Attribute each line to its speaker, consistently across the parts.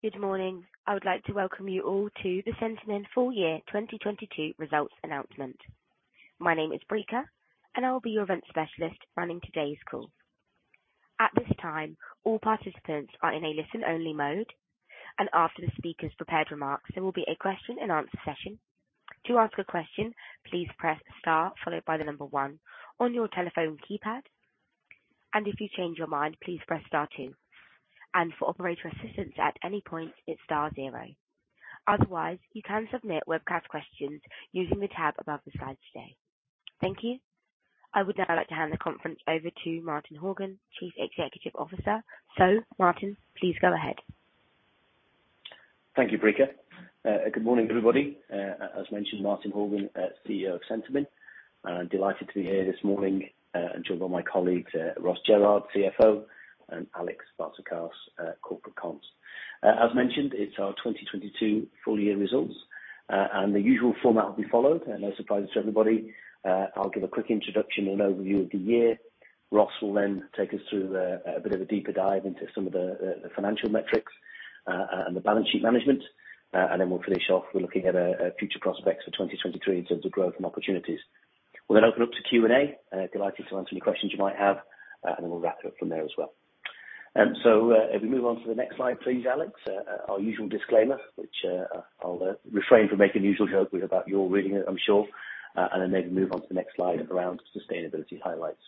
Speaker 1: Good morning. I would like to welcome you all to the Centamin full year 2022 results announcement. My name is Brika, and I will be your event specialist running today's call. At this time, all participants are in a listen-only mode, and after the speaker's prepared remarks, there will be a question and answer session. To ask a question, please press star followed by one on your telephone keypad. If you change your mind, please press star two. For operator assistance at any point, it's star zero. Otherwise, you can submit webcast questions using the tab above the slide today. Thank you. I would now like to hand the conference over to Martin Horgan, Chief Executive Officer. Martin, please go ahead.
Speaker 2: Thank you, Brika. Good morning, everybody. As mentioned, Martin Horgan, CEO of Centamin. Delighted to be here this morning, joined by my colleagues, Ross Jerrard, CFO, and Alex Barter-Carse, corporate comms. As mentioned, it's our 2022 full year results, the usual format will be followed. No surprises to everybody. I'll give a quick introduction and overview of the year. Ross will then take us through the, a bit of a deeper dive into some of the financial metrics, the balance sheet management, then we'll finish off. We're looking at future prospects for 2023 in terms of growth and opportunities. We'll open up to Q&A. Delighted to answer any questions you might have, then we'll wrap it up from there as well. If we move on to the next slide, please, Alex. Our usual disclaimer, which I'll refrain from making the usual joke with about your reading it, I'm sure. Maybe move on to the next slide around sustainability highlights.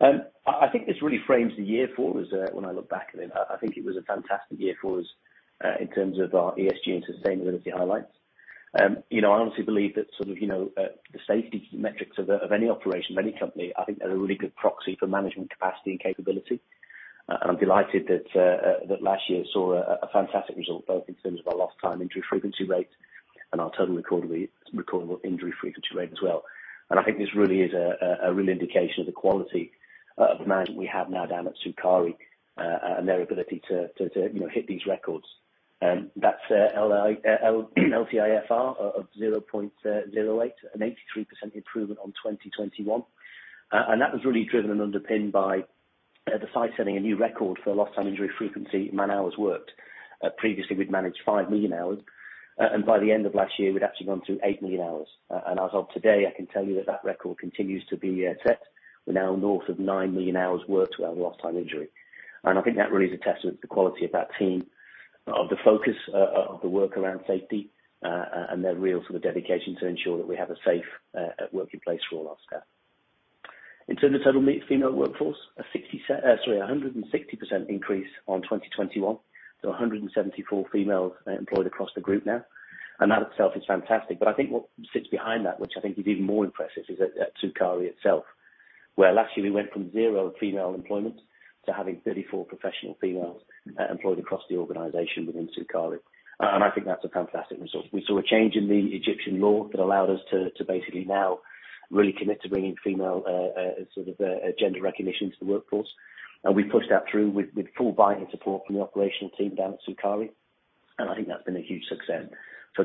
Speaker 2: I think this really frames the year for us, when I look back at it. I think it was a fantastic year for us, in terms of our ESG and sustainability highlights. you know, I honestly believe that sort of, you know, the safety metrics of any operation, of any company, I think they're a really good proxy for management capacity and capability. I'm delighted that last year saw a fantastic result, both in terms of our lost time injury frequency rates and our total recordable injury frequency rate as well. I think this really is a real indication of the quality of management we have now down at Sukari, and their ability to, you know, hit these records. That's LTIFR of 0.08, an 83% improvement on 2021. That was really driven and underpinned by the site setting a new record for lost time injury frequency, man-hours worked. Previously, we'd managed 5 million hours, and by the end of last year, we'd actually gone through 8 million hours. As of today, I can tell you that that record continues to be set. We're now north of 9 million hours worked without a lost time injury. I think that really is a testament to the quality of that team, of the focus of the work around safety, and their real sort of dedication to ensure that we have a safe, working place for all our staff. In terms of total male to female workforce, a 160% increase on 2021. A 174 females employed across the group now. That itself is fantastic. I think what sits behind that, which I think is even more impressive, is at Sukari itself, where last year we went from 0 female employment to having 34 professional females employed across the organization within Sukari. I think that's a fantastic result. We saw a change in the Egyptian law that allowed us to basically now really commit to bringing female, sort of, gender recognition to the workforce. We pushed that through with full buy-in and support from the operational team down at Sukari. I think that's been a huge success.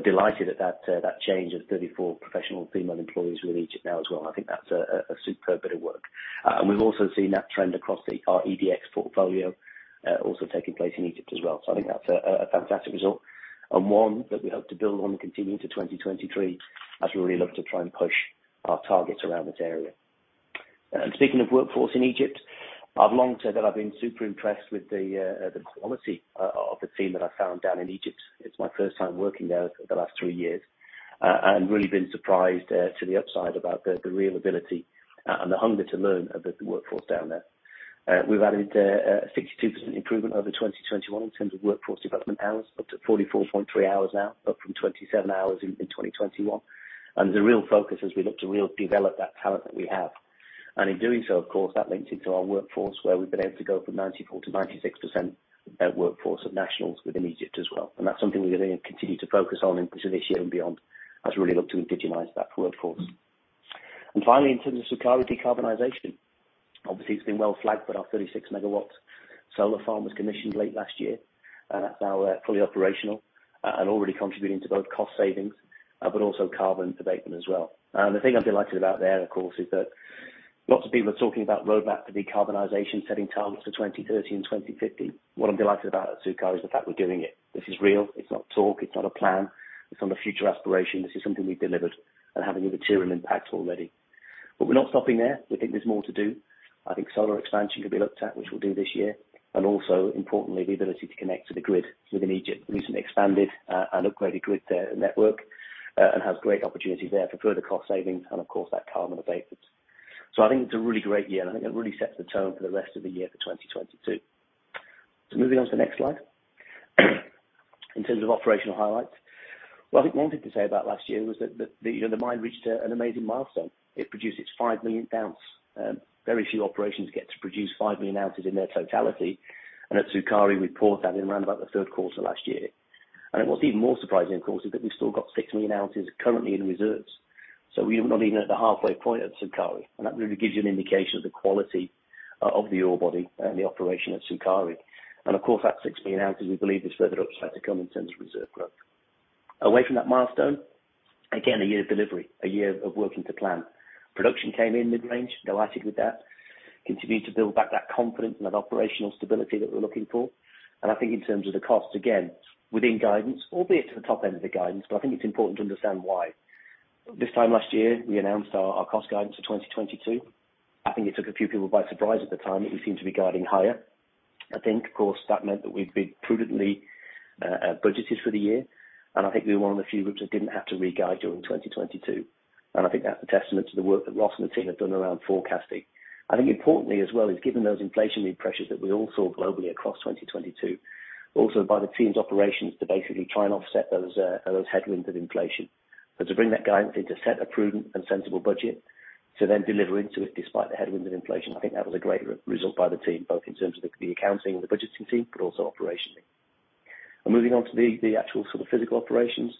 Speaker 2: Delighted at that change of 34 professional female employees within Egypt now as well. I think that's a superb bit of work. We've also seen that trend across our EDX portfolio, also taking place in Egypt as well. I think that's a fantastic result and one that we hope to build on and continue into 2023, as we really look to try and push our targets around this area. Speaking of workforce in Egypt, I've long said that I've been super impressed with the quality of the team that I found down in Egypt. It's my first time working there for the last three years and really been surprised to the upside about the real ability and the hunger to learn of the workforce down there. We've added a 62% improvement over 2021 in terms of workforce development hours, up to 44.3 hours now, up from 27 hours in 2021. The real focus as we look to real develop that talent that we have. In doing so, of course, that links into our workforce, where we've been able to go from 94%-96% workforce of nationals within Egypt as well. That's something we're gonna continue to focus on into this year and beyond, as we really look to indigenize that workforce. Finally, in terms of Sukari decarbonization, obviously it's been well flagged that our 36 MW solar farm was commissioned late last year. That's now fully operational and already contributing to both cost savings, but also carbon abatement as well. The thing I'm delighted about there, of course, is that lots of people are talking about roadmap for decarbonization, setting targets for 2030 and 2050. What I'm delighted about at Sukari is the fact we're doing it. This is real. It's not talk. It's not a plan. It's not a future aspiration. This is something we've delivered and having a material impact already. We're not stopping there. We think there's more to do. I think solar expansion could be looked at, which we'll do this year. Also, importantly, the ability to connect to the grid within Egypt. Recently expanded and upgraded grid network and has great opportunities there for further cost savings and of course that carbon abatement. I think it's a really great year, and I think it really sets the tone for the rest of the year for 2022. Moving on to the next slide. In terms of operational highlights, what I think one thing to say about last year was that, you know, the mine reached an amazing milestone. It produced its 5 million ounce. Very few operations get to produce 5 million ounces in their totality. At Sukari, we poured that in around about the third quarter last year. What's even more surprising, of course, is that we've still got 6 million ounces currently in reserves. We are not even at the halfway point at Sukari. That really gives you an indication of the quality of the ore body and the operation at Sukari. That 6 million ounces we believe is further upside to come in terms of reserve growth. Away from that milestone, again, a year of delivery, a year of working to plan. Production came in mid-range, delighted with that. Continued to build back that confidence and that operational stability that we're looking for. I think in terms of the cost, again, within guidance, albeit to the top end of the guidance, but I think it's important to understand why. This time last year, we announced our cost guidance for 2022. I think it took a few people by surprise at the time that we seemed to be guiding higher. I think, of course, that meant that we've been prudently budgeted for the year. I think we were one of the few groups that didn't have to re-guide during 2022. I think that's a testament to the work that Ross and the team have done around forecasting. I think importantly as well is, given those inflationary pressures that we all saw globally across 2022, also by the team's operations to basically try and offset those headwinds of inflation. To bring that guidance into set a prudent and sensible budget to then deliver into it despite the headwinds of inflation, I think that was a great result by the team, both in terms of the accounting and the budgeting team, but also operationally. Moving on to the actual sort of physical operations.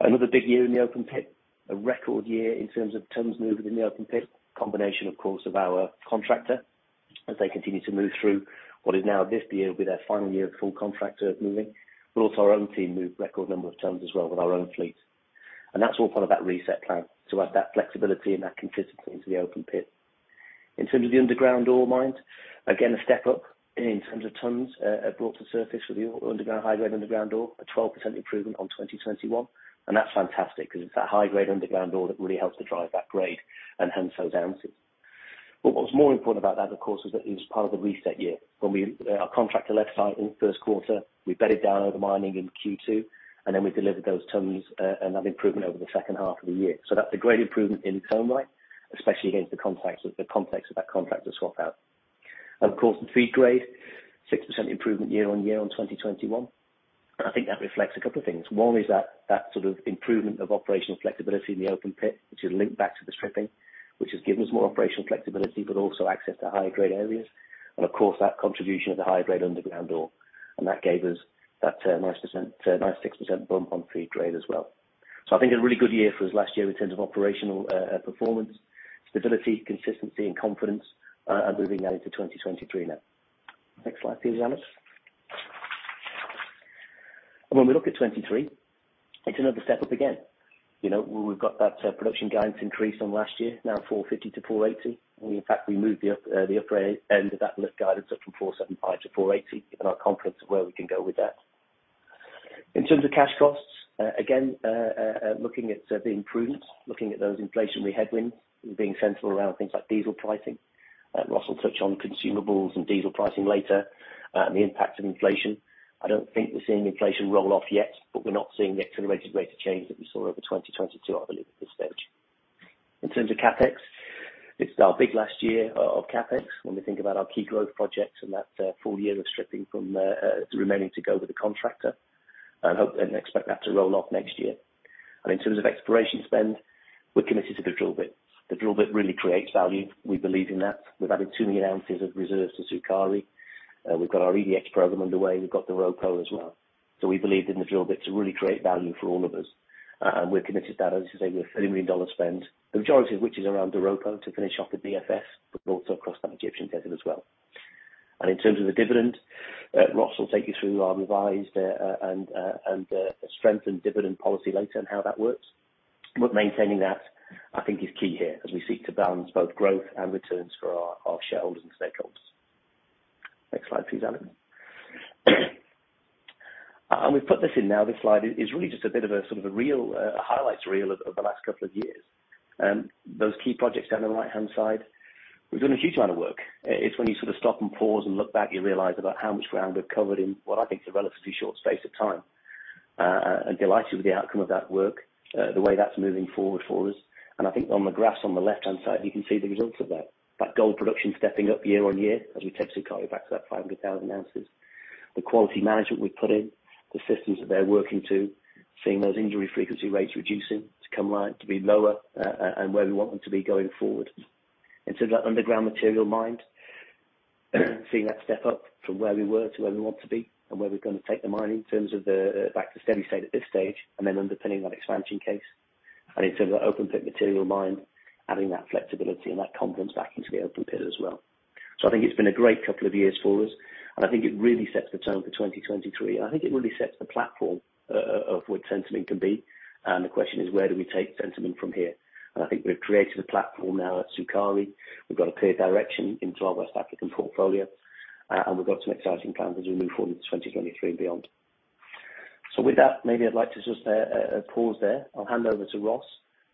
Speaker 2: Another big year in the open pit, a record year in terms of tonnes moved in the open pit. Combination, of course, of our contractor as they continue to move through what is now this year will be their final year of full contractor moving. Also our own team moved record number of tons as well with our own fleet. That's all part of that reset plan, to add that flexibility and that consistency into the open pit. In terms of the underground ore mines, again, a step up in terms of tonnes, brought to surface with the underground high grade underground ore, a 12% improvement on 2021. That's fantastic because it's that high-grade underground ore that really helps to drive that grade and hence those ounces. What was more important about that, of course, is that it was part of the reset year. When we, our contractor left site in 1st quarter, we bedded down over mining in Q2, and then we delivered those tonnes, and that improvement over the 2nd half of the year. That's a great improvement in tone right, especially against the context of that contractor swap out. Of course, in feed grade, 6% improvement year on year on 2021. I think that reflects a couple of things. One is that sort of improvement of operational flexibility in the open pit, which is linked back to the stripping, which has given us more operational flexibility, but also access to higher grade areas. Of course, that contribution of the high-grade underground ore. That gave us that nice 6% bump on feed grade as well. I think a really good year for us last year in terms of operational performance, stability, consistency and confidence, and moving that into 2023 now. Next slide please, Alex. When we look at 2023, it's another step up again. You know, we've got that production guidance increase on last year, now 450 to 480. In fact, we moved the upper end of that guidance up from 475 to 480, given our confidence of where we can go with that. In terms of cash costs, again, looking at being prudent, looking at those inflationary headwinds and being central around things like diesel pricing. Ross will touch on consumables and diesel pricing later, and the impact of inflation. I don't think we're seeing inflation roll off yet, but we're not seeing the accelerated rate of change that we saw over 2022, I believe, at this stage. In terms of CapEx, it's our big last year of CapEx when we think about our key growth projects and that full year of stripping from the remaining to go with the contractor. I hope and expect that to roll off next year. In terms of exploration spend, we're committed to the drill bit. The drill bit really creates value. We believe in that. We've added 2 million ounces of reserves to Sukari. We've got our EDX program underway. We've got Doropo as well. We believed in the drill bit to really create value for all of us. We're committed to that. As I say, we have a $30 million spend. The majority of which is around Doropo to finish off the BFS, but also across that Egyptian Desert as well. In terms of the dividend, Ross will take you through our revised and strengthened dividend policy later and how that works. Maintaining that, I think, is key here as we seek to balance both growth and returns for our shareholders and stakeholders. Next slide please, Alex. We've put this in now. This slide is really just a bit of a sort of a reel, a highlights reel of the last couple of years. Those key projects down the right-hand side. We've done a huge amount of work. It's when you sort of stop and pause and look back, you realize about how much ground we've covered in what I think is a relatively short space of time. Delighted with the outcome of that work, the way that's moving forward for us. I think on the graphs on the left-hand side, you can see the results of that. That gold production stepping up year on year as we take Sukari back to that 500,000 ounces. The quality management we've put in, the systems that they're working to, seeing those injury frequency rates reducing to come line, to be lower, and where we want them to be going forward. In terms of that underground material mined, seeing that step up from where we were to where we want to be and where we're gonna take the mine in terms of the back to steady state at this stage and then underpinning that expansion case. In terms of open pit material mined, adding that flexibility and that confidence back into the open pit as well. I think it's been a great couple of years for us. I think it really sets the tone for 2023, and I think it really sets the platform of what Centamin can be. The question is: Where do we take Centamin from here? I think we've created a platform now at Sukari. We've got a clear direction into our West African portfolio, and we've got some exciting plans as we move forward to 2023 and beyond. With that, maybe I'd like to just pause there. I'll hand over to Ross,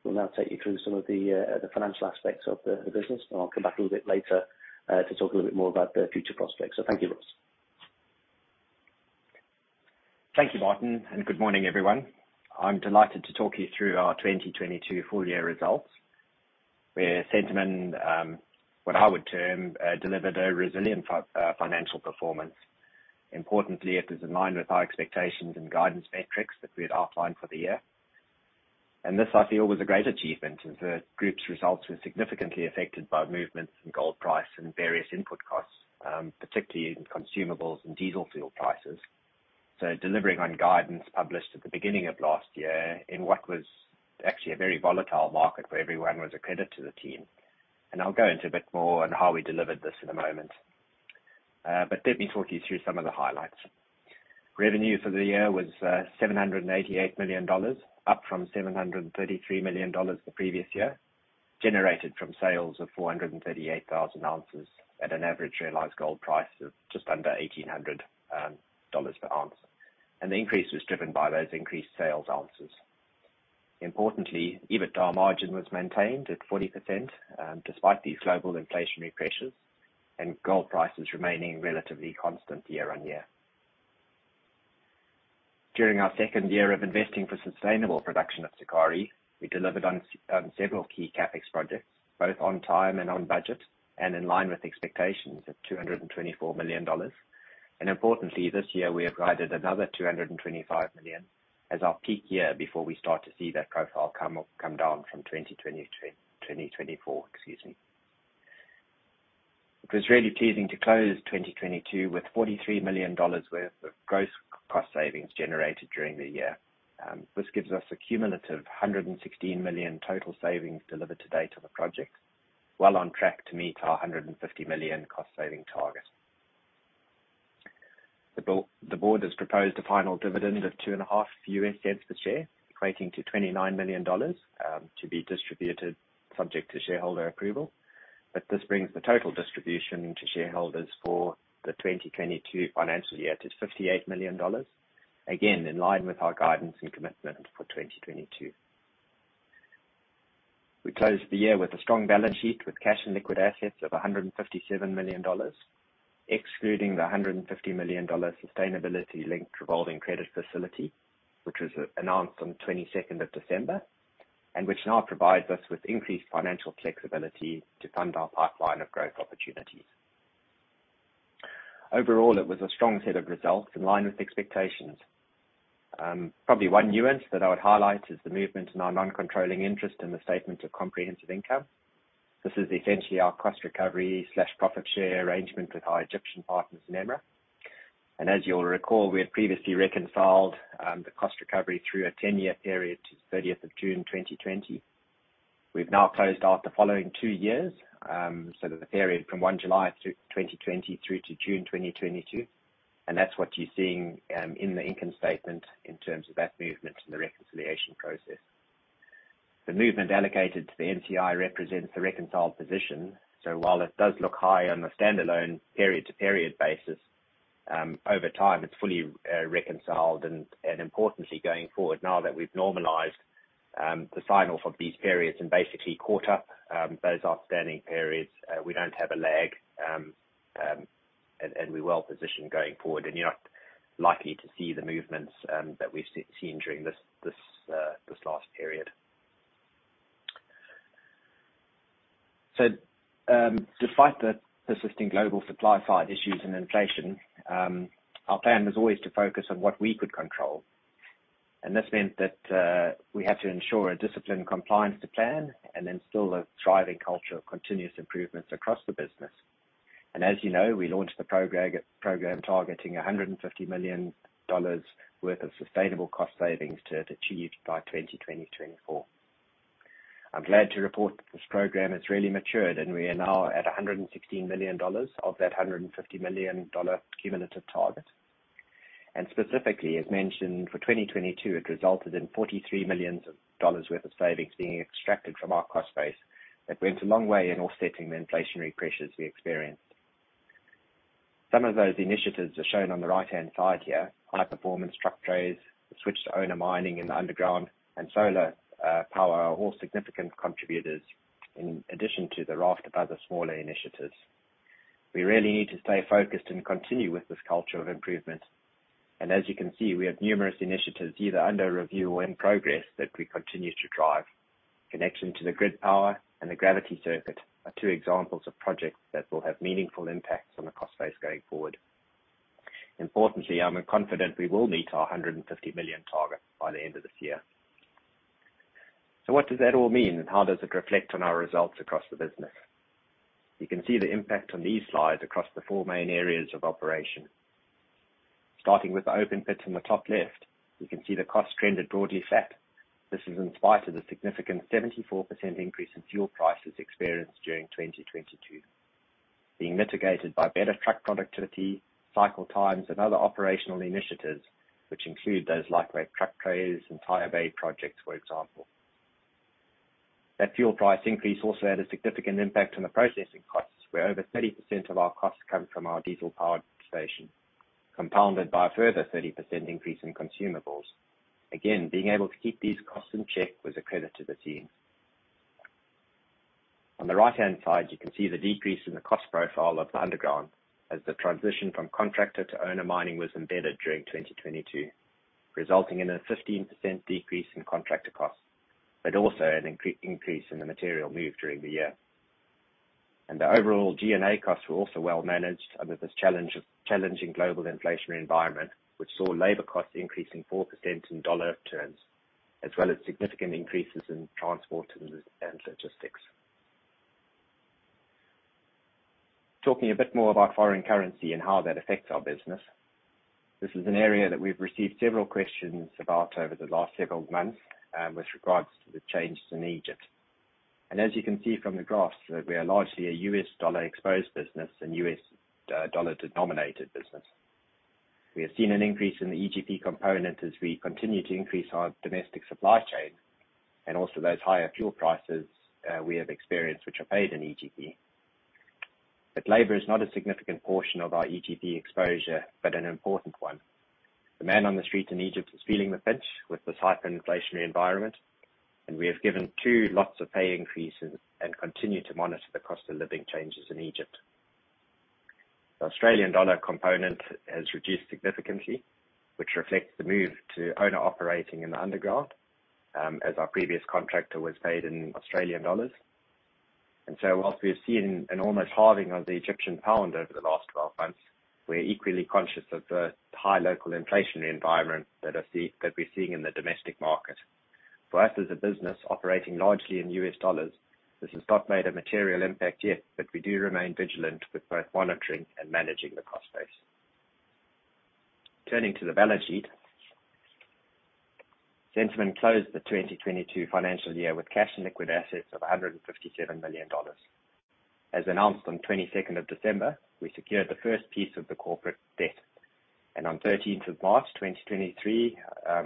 Speaker 2: who will now take you through some of the financial aspects of the business, and I'll come back a little bit later to talk a little bit more about the future prospects. Thank you, Ross.
Speaker 3: Thank you, Martin. Good morning, everyone. I'm delighted to talk you through our 2022 full year results. Where Centamin, what I would term, delivered a resilient financial performance. Importantly, it is in line with our expectations and guidance metrics that we had outlined for the year. This, I feel, was a great achievement as the group's results were significantly affected by movements in gold price and various input costs, particularly in consumables and diesel fuel prices. Delivering on guidance published at the beginning of last year in what was actually a very volatile market for everyone was a credit to the team. I'll go into a bit more on how we delivered this in a moment. Let me talk you through some of the highlights. Revenue for the year was $788 million, up from $733 million the previous year, generated from sales of 438,000 ounces at an average realized gold price of just under $1,800 per ounce. The increase was driven by those increased sales ounces. Importantly, EBITDA margin was maintained at 40%, despite these global inflationary pressures and gold prices remaining relatively constant year-over-year. During our second year of investing for sustainable production at Sukari, we delivered on several key CapEx projects, both on time and on budget, and in line with expectations of $224 million. Importantly, this year we have guided another $225 million as our peak year before we start to see that profile come down from 2024. Excuse me. It was really pleasing to close 2022 with $43 million worth of gross cost savings generated during the year. This gives us a cumulative $116 million total savings delivered to date on the project, well on track to meet our $150 million cost saving target. The board has proposed a final dividend of $0.025 per share, equating to $29 million, to be distributed subject to shareholder approval. This brings the total distribution to shareholders for the 2022 financial year to $58 million. Again, in line with our guidance and commitment for 2022. We closed the year with a strong balance sheet with cash and liquid assets of $157 million, excluding the $150 million sustainability-linked revolving credit facility, which was announced on 22nd of December, and which now provides us with increased financial flexibility to fund our pipeline of growth opportunities. Overall, it was a strong set of results in line with expectations. Probably one nuance that I would highlight is the movement in our non-controlling interest in the statement of comprehensive income. This is essentially our cost recovery slash profit share arrangement with our Egyptian partners in EMRA. As you'll recall, we had previously reconciled the cost recovery through a 10-year period to June 30th 2020. We've now closed out the following two years, so that the period from July 1, 2020 to June 2022, and that's what you're seeing in the income statement in terms of that movement and the reconciliation process. The movement allocated to the NCI represents the reconciled position, so while it does look high on a stand-alone period-to-period basis, over time it's fully reconciled. Importantly, going forward, now that we've normalized the sign-off of these periods and basically caught up those outstanding periods, we don't have a lag, and we're well positioned going forward, and you're not likely to see the movements that we've seen during this last period. Despite the persisting global supply side issues and inflation, our plan was always to focus on what we could control. This meant that we had to ensure a disciplined compliance to plan and instill a thriving culture of continuous improvements across the business. As you know, we launched the program targeting $150 million worth of sustainable cost savings to have achieved by 2024. I'm glad to report that this program has really matured and we are now at $116 million of that $150 million cumulative target. Specifically, as mentioned, for 2022, it resulted in $43 million worth of savings being extracted from our cost base. That went a long way in offsetting the inflationary pressures we experienced. Some of those initiatives are shown on the right-hand side here. High performance truck trays, the switch to owner mining in the underground, and solar power are all significant contributors in addition to the raft of other smaller initiatives. We really need to stay focused and continue with this culture of improvement. As you can see, we have numerous initiatives either under review or in progress that we continue to drive. Connection to the grid power and the gravity circuit are two examples of projects that will have meaningful impacts on the cost base going forward. Importantly, I'm confident we will meet our $150 million target by the end of this year. What does that all mean and how does it reflect on our results across the business? You can see the impact on these slides across the four main areas of operation. Starting with the open pits in the top left, you can see the cost trend had broadly flat. This is in spite of the significant 74% increase in fuel prices experienced during 2022, being mitigated by better truck productivity, cycle times, and other operational initiatives, which include those lightweight truck trays and tire bay projects, for example. That fuel price increase also had a significant impact on the processing costs, where over 30% of our costs come from our diesel-powered station, compounded by a further 30% increase in consumables. Being able to keep these costs in check was a credit to the team. On the right-hand side, you can see the decrease in the cost profile of the underground as the transition from contractor to owner mining was embedded during 2022, resulting in a 15% decrease in contractor costs, but also an increase in the material moved during the year. The overall G&A costs were also well managed under this challenge of challenging global inflationary environment, which saw labor costs increasing 4% in USD terms, as well as significant increases in transport and logistics. Talking a bit more about foreign currency and how that affects our business. This is an area that we've received several questions about over the last several months, with regards to the changes in Egypt. As you can see from the graphs, that we are largely a U.S. dollar exposed business and U.S. dollar denominated business. We have seen an increase in the EGP component as we continue to increase our domestic supply chain and also those higher fuel prices we have experienced, which are paid in EGP. Labor is not a significant portion of our EGP exposure, but an important one. The man on the street in Egypt is feeling the pinch with this hyperinflationary environment, and we have given two lots of pay increases and continue to monitor the cost of living changes in Egypt. The Australian dollar component has reduced significantly, which reflects the move to owner operating in the underground, as our previous contractor was paid in Australian dollars. Whilst we have seen an almost halving of the Egyptian pound over the last 12 months, we're equally conscious of the high local inflationary environment that we're seeing in the domestic market. For us as a business operating largely in US dollars, this has not made a material impact yet, but we do remain vigilant with both monitoring and managing the cost base. Turning to the balance sheet. Centamin closed the 2022 financial year with cash and liquid assets of $157 million. As announced on December 22nd, we secured the first piece of the corporate debt, and on March 13th, 2023,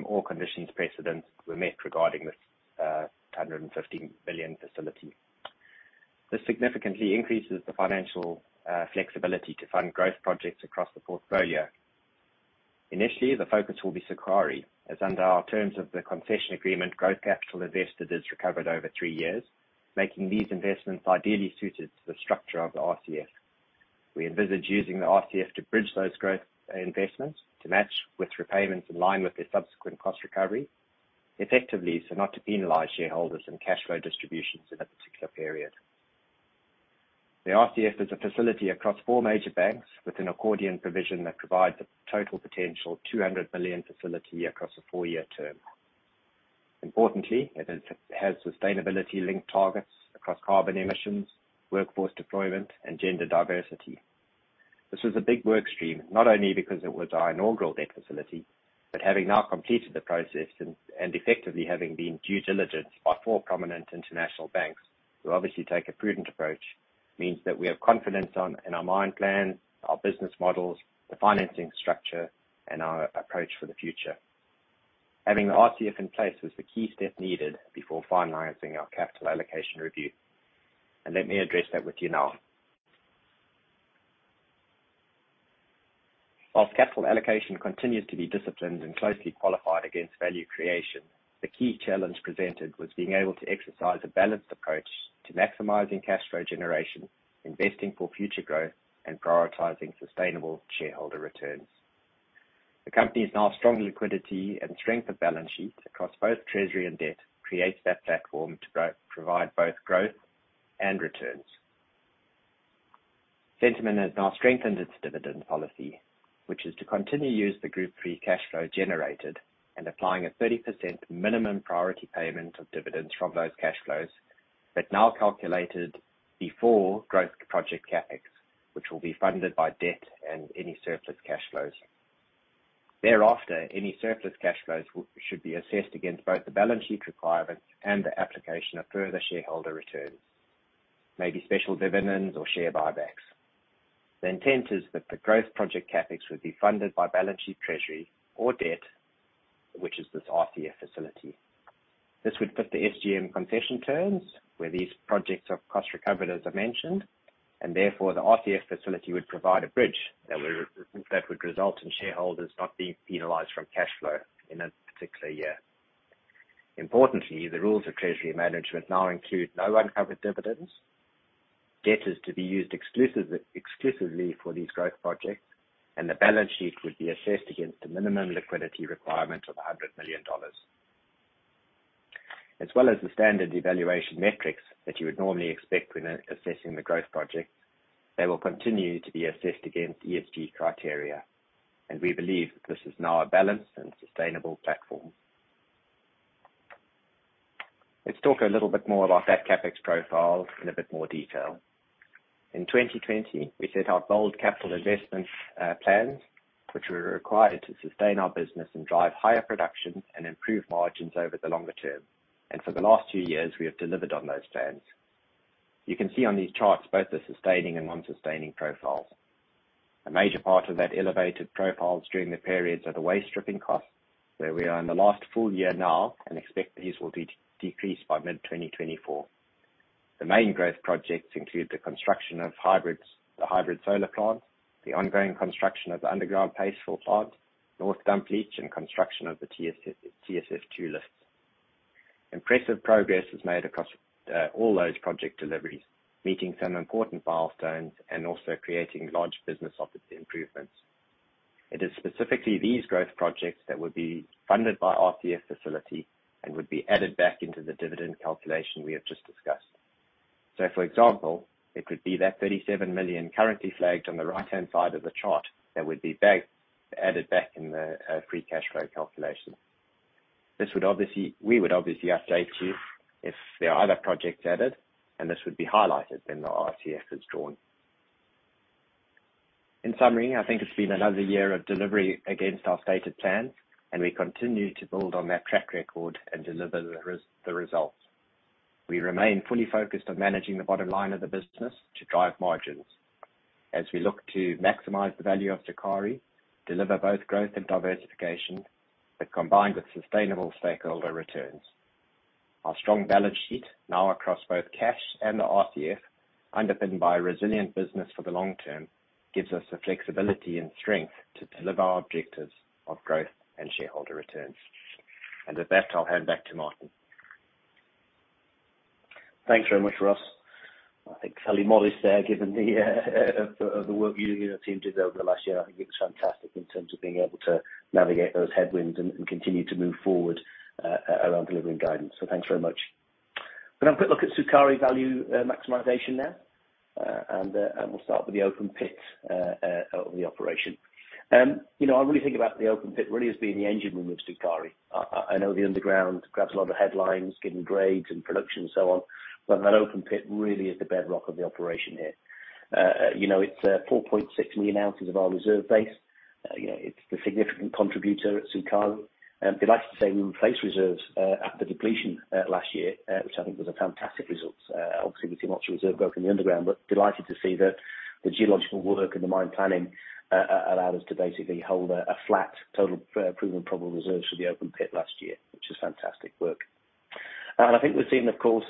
Speaker 3: all conditions precedents were met regarding this $150 million facility. This significantly increases the financial flexibility to fund growth projects across the portfolio. Initially, the focus will be Sukari, as under our terms of the concession agreement, growth capital invested is recovered over three years, making these investments ideally suited to the structure of the RCF. We envisage using the RCF to bridge those growth investments to match with repayments in line with their subsequent cost recovery, effectively, not to penalize shareholders and cash flow distributions in a particular period. The RCF is a facility across four major banks with an accordion provision that provides a total potential $200 million facility across a four-year term. Importantly, it has sustainability-linked targets across carbon emissions, workforce deployment, and gender diversity. This was a big work stream, not only because it was our inaugural debt facility, but having now completed the process and effectively having been due diligence by four prominent international banks who obviously take a prudent approach, means that we have confidence in our mine plan, our business models, the financing structure, and our approach for the future. Having the RCF in place was the key step needed before finalizing our capital allocation review. Let me address that with you now. While capital allocation continues to be disciplined and closely qualified against value creation, the key challenge presented was being able to exercise a balanced approach to maximizing cash flow generation, investing for future growth, and prioritizing sustainable shareholder returns. The company's now strong liquidity and strength of balance sheet across both treasury and debt creates that platform to provide both growth and returns. Centamin has now strengthened its dividend policy, which is to continue use the group three cash flow generated and applying a 30% minimum priority payment of dividends from those cash flows, but now calculated before growth project CapEx, which will be funded by debt and any surplus cash flows. Thereafter, any surplus cash flows should be assessed against both the balance sheet requirements and the application of further shareholder returns, maybe special dividends or share buybacks. The intent is that the growth project CapEx would be funded by balance sheet treasury or debt, which is this RCF facility. This would put the SGM concession terms, where these projects are cost recovered, as I mentioned, and therefore the RCF facility would provide a bridge that would result in shareholders not being penalized from cash flow in a particular year. Importantly, the rules of treasury management now include no uncovered dividends. Debt is to be used exclusively for these growth projects, and the balance sheet would be assessed against the minimum liquidity requirement of $100 million. As well as the standard evaluation metrics that you would normally expect when assessing the growth project, they will continue to be assessed against ESG criteria. We believe that this is now a balanced and sustainable platform. Let's talk a little bit more about that CapEx profile in a bit more detail. In 2020, we set our bold capital investment plans, which were required to sustain our business and drive higher production and improve margins over the longer term. For the last two years, we have delivered on those plans. You can see on these charts both the sustaining and non-sustaining profiles. A major part of that elevated profiles during the periods are the waste stripping costs, where we are in the last full year now and expect these will be decreased by mid-2024. The main growth projects include the construction of the hybrid solar plant, the ongoing construction of the underground paste-fill plant, North dump leach and construction of the TSF2 lifts. Impressive progress is made across all those project deliveries, meeting some important milestones and also creating large business opportunity improvements. It is specifically these growth projects that would be funded by RCF facility and would be added back into the dividend calculation we have just discussed. For example, it could be that $37 million currently flagged on the right-hand side of the chart that would be added back in the free cash flow calculation. We would obviously update you if there are other projects added, and this would be highlighted when the RCF is drawn. In summary, I think it's been another year of delivery against our stated plans. We continue to build on that track record and deliver the results. We remain fully focused on managing the bottom line of the business to drive margins. As we look to maximize the value of Sukari, deliver both growth and diversification that combined with sustainable stakeholder returns. Our strong balance sheet now across both cash and the RCF, underpinned by a resilient business for the long term, gives us the flexibility and strength to deliver our objectives of growth and shareholder returns. At that, I'll hand back to Martin.
Speaker 2: Thanks very much, Ross. I think fairly modest there given the of the work you and your team did over the last year. I think it's fantastic in terms of being able to navigate those headwinds and continue to move forward around delivering guidance. Thanks very much. We now quick look at Sukari value maximization now, and we'll start with the open pit of the operation. You know, I really think about the open pit really as being the engine room of Sukari. I know the underground grabs a lot of the headlines, given grades and production and so on, but that open pit really is the bedrock of the operation here. You know, it's 4.6 million ounces of our reserve base. You know, it's the significant contributor at Sukari. Delighted to say we replaced reserves at the depletion last year, which I think was a fantastic result. Obviously we see much reserve growth in the underground, but delighted to see the geological work and the mine planning allow us to basically hold a flat total proven probable reserves for the open pit last year, which is fantastic work. I think we've seen, of course,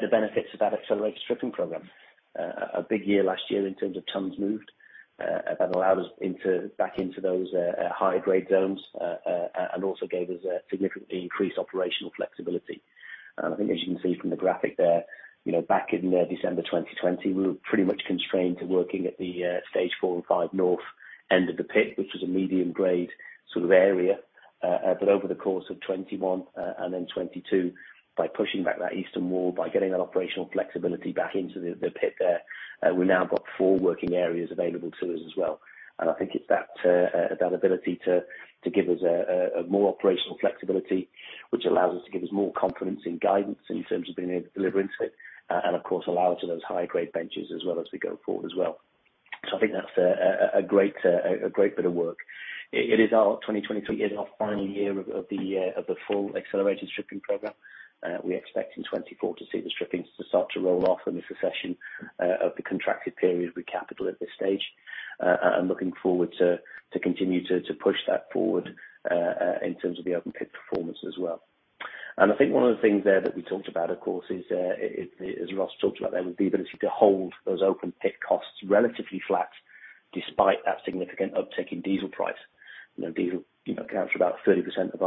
Speaker 2: the benefits of that accelerated stripping program. A big year last year in terms of tons moved that allowed us back into those higher grade zones and also gave us a significantly increased operational flexibility. I think as you can see from the graphic there, you know, back in December 2020, we were pretty much constrained to working at the stage 4 and 5 north end of the pit, which was a medium grade sort of area. But over the course of 2021 and then 2022, by pushing back that eastern wall, by getting that operational flexibility back into the pit there, we've now got four working areas available to us as well. I think it's that ability to give us a more operational flexibility, which allows us to give us more confidence in guidance in terms of being able to deliver into and of course allow us to those high grade benches as well as we go forward as well. I think that's a great bit of work. It is our 2023 is our final year of the full accelerated stripping program. We expect in 2024 to see the strippings to start to roll off and this is session of the contracted period with Capital at this stage. Looking forward to continue to push that forward in terms of the open pit performance as well. I think one of the things there that we talked about, of course, as Ross talked about there, was the ability to hold those open pit costs relatively flat despite that significant uptick in diesel price. You know, diesel, you know, accounts for about 30% of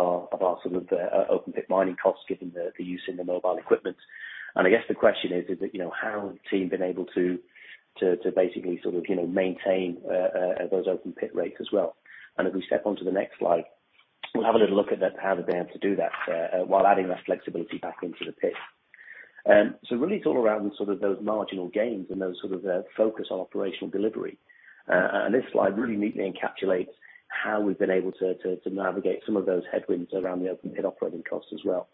Speaker 2: some of the open pit mining costs, given the use in the mobile equipment. I guess the question is that, you know, how the team been able to basically sort of, you know, maintain those open pit rates as well. If we step onto the next slide, we'll have a little look at that, how they be able to do that while adding that flexibility back into the pit. Really it's all around sort of those marginal gains and those sort of focus on operational delivery. This slide really neatly encapsulates how we've been able to navigate some of those headwinds around the open pit operating costs as well.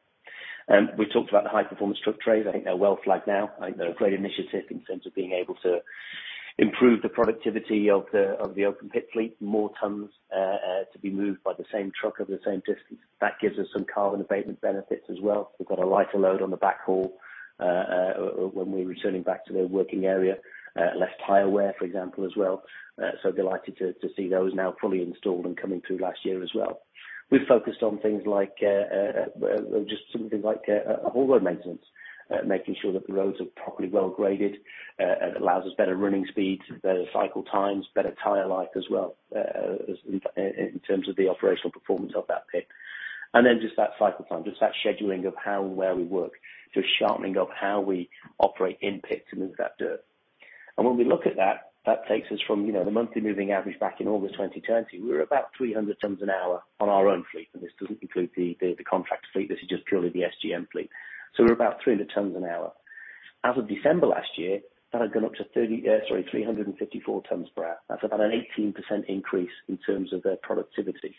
Speaker 2: We talked about the high performance truck trays. I think they're well flagged now. I think they're a great initiative in terms of being able to improve the productivity of the open pit fleet, more tons to be moved by the same truck over the same distance. That gives us some carbon abatement benefits as well. We've got a lighter load on the backhaul when we're returning back to the working area, less tire wear, for example, as well. Delighted to see those now fully installed and coming through last year as well. We've focused on things like just something like a haul road maintenance, making sure that the roads are properly well-graded, allows us better running speeds, better cycle times, better tire life as well, as in terms of the operational performance of that pit. Just that cycle time, just that scheduling of how and where we work, so sharpening of how we operate in pit to move that dirt. When we look at that takes us from, you know, the monthly moving average back in August 2020. We're about 300 tons an hour on our own fleet, and this doesn't include the contract fleet, this is just purely the SGM fleet. We're about 300 tons an hour. As of December last year, that had gone up to 354 tons per hour. That's about an 18% increase in terms of the productivity.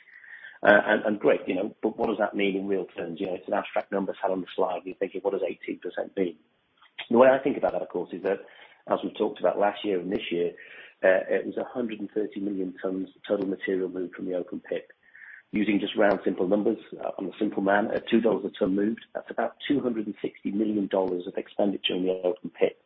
Speaker 2: Great, you know, but what does that mean in real terms? You know, it's an abstract number sat on the slide and you're thinking, what does 18% mean? The way I think about that, of course, is that as we talked about last year and this year, it was 130 million tons total material moved from the open pit. Using just round simple numbers, I'm a simple man, at $2 a ton moved, that's about $260 million of expenditure in the open pit.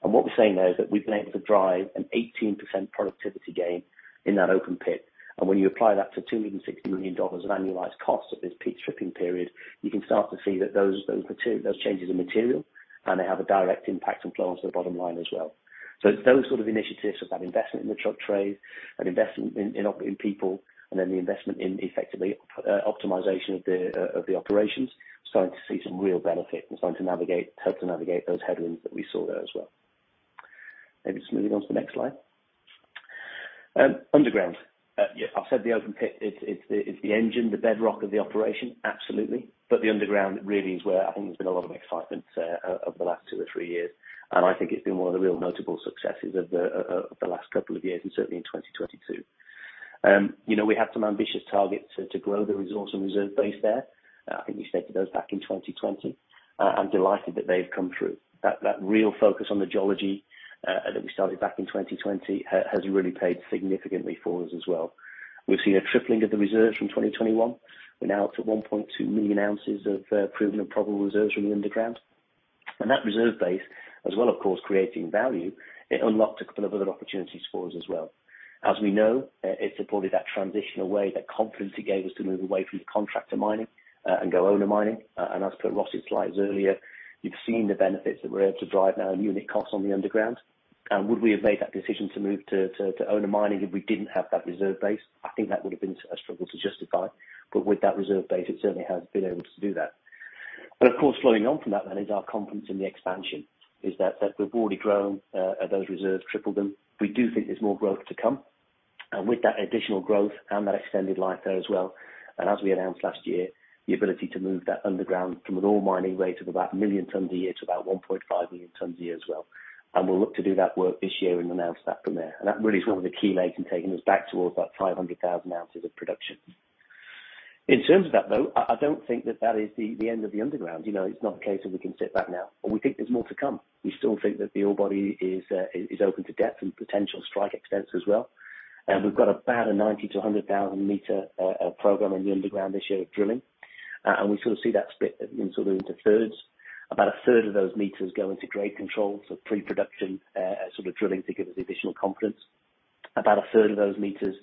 Speaker 2: What we're saying there is that we've been able to drive an 18% productivity gain in that open pit. When you apply that to $260 million of annualized costs at this peak stripping period, you can start to see that those two, those changes in material, and they have a direct impact on flow on to the bottom line as well. It's those sort of initiatives of that investment in the truck trays and investment in people, and then the investment in effectively, optimization of the operations, starting to see some real benefit and starting to navigate, help to navigate those headwinds that we saw there as well. Maybe just moving on to the next slide. Underground. Yeah, I've said the open pit, it's the, it's the engine, the bedrock of the operation, absolutely. The underground really is where I think there's been a lot of excitement over the last two or three years. I think it's been one of the real notable successes of the last couple of years, and certainly in 2022. You know, we had some ambitious targets to grow the resource and reserve base there. I think we said to those back in 2020. I'm delighted that they've come through. That, that real focus on the geology that we started back in 2020 has really paid significantly for us as well. We've seen a tripling of the reserves from 2021. We're now up to 1.2 million ounces of proven and probable reserves from the underground. That reserve base, as well, of course, creating value, it unlocked a couple of other opportunities for us as well. As we know, it supported that transition away, that confidence it gave us to move away from contractor mining and go owner mining. As per Ross's slides earlier, you've seen the benefits that we're able to drive now in unit costs on the underground. Would we have made that decision to move to owner mining if we didn't have that reserve base? I think that would have been a struggle to justify. With that reserve base, it certainly has been able to do that. Of course, flowing on from that then is our confidence in the expansion, is that we've already grown those reserves, tripled them. We do think there's more growth to come. With that additional growth and that extended life there as well, and as we announced last year, the ability to move that underground from an ore mining rate of about 1 million tons a year to about 1.5 million tons a year as well. We'll look to do that work this year and announce that from there. That really is one of the key legs in taking us back to about 500,000 ounces of production. In terms of that, though, I don't think that that is the end of the underground. You know, it's not a case of we can sit back now, but we think there's more to come. We still think that the ore body is open to depth and potential strike extents as well. We've got about a 90,000-100,000 m program in the underground this year of drilling. We sort of see that split into thirds. About a third of those meters go into grade control, so pre-production drilling to give us additional confidence. About a third of those meters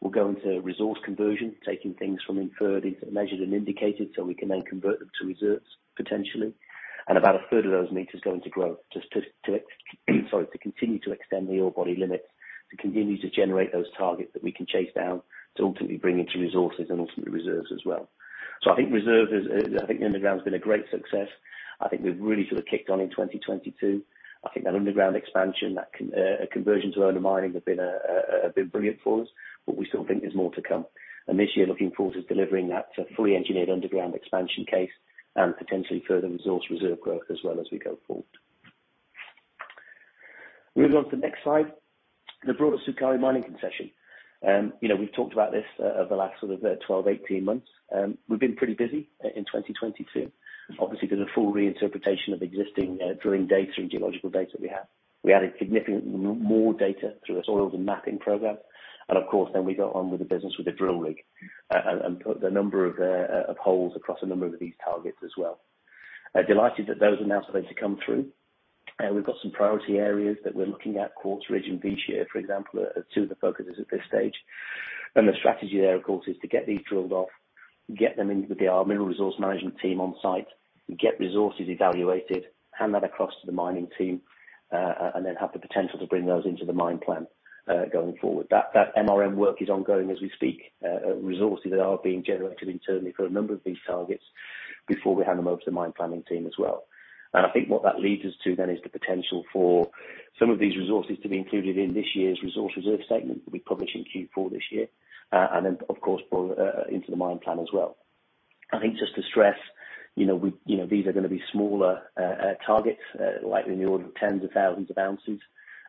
Speaker 2: will go into resource conversion, taking things from inferred into measured and indicated, so we can then convert them to reserves, potentially. About a third of those meters go into growth just to continue to extend the ore body limits, to continue to generate those targets that we can chase down, to ultimately bring into resources and ultimately reserves as well. I think reserve is I think the underground's been a great success. I think we've really sort of kicked on in 2022. I think that underground expansion, that conversion to owner mining have been brilliant for us, but we still think there's more to come. This year, looking forward to delivering that fully engineered underground expansion case and potentially further resource reserve work as well as we go forward. Moving on to the next slide, the broader Sukari mining concession. You know, we've talked about this over the last sort of 12, 18 months. We've been pretty busy in 2022. Obviously, did a full reinterpretation of existing drilling data and geological data we have. We added significant more data through a soils and mapping program. Of course, then we got on with the business with a drill rig and put a number of holes across a number of these targets as well. Delighted that those are now starting to come through. We've got some priority areas that we're looking at, Quartz Ridge and V-Shear, for example, are two of the focuses at this stage. The strategy there, of course, is to get these drilled off, get them in with our mineral resource management team on site, get resources evaluated, hand that across to the mining team, and then have the potential to bring those into the mine plan going forward. That MRM work is ongoing as we speak. Resources are being generated internally for a number of these targets before we hand them over to the mine planning team as well. I think what that leads us to then is the potential for some of these resources to be included in this year's resource reserve statement that we publish in Q4 this year, and then of course, brought into the mine plan as well. I think just to stress, you know, we, you know, these are gonna be smaller targets, likely in the order of tens of thousands of ounces.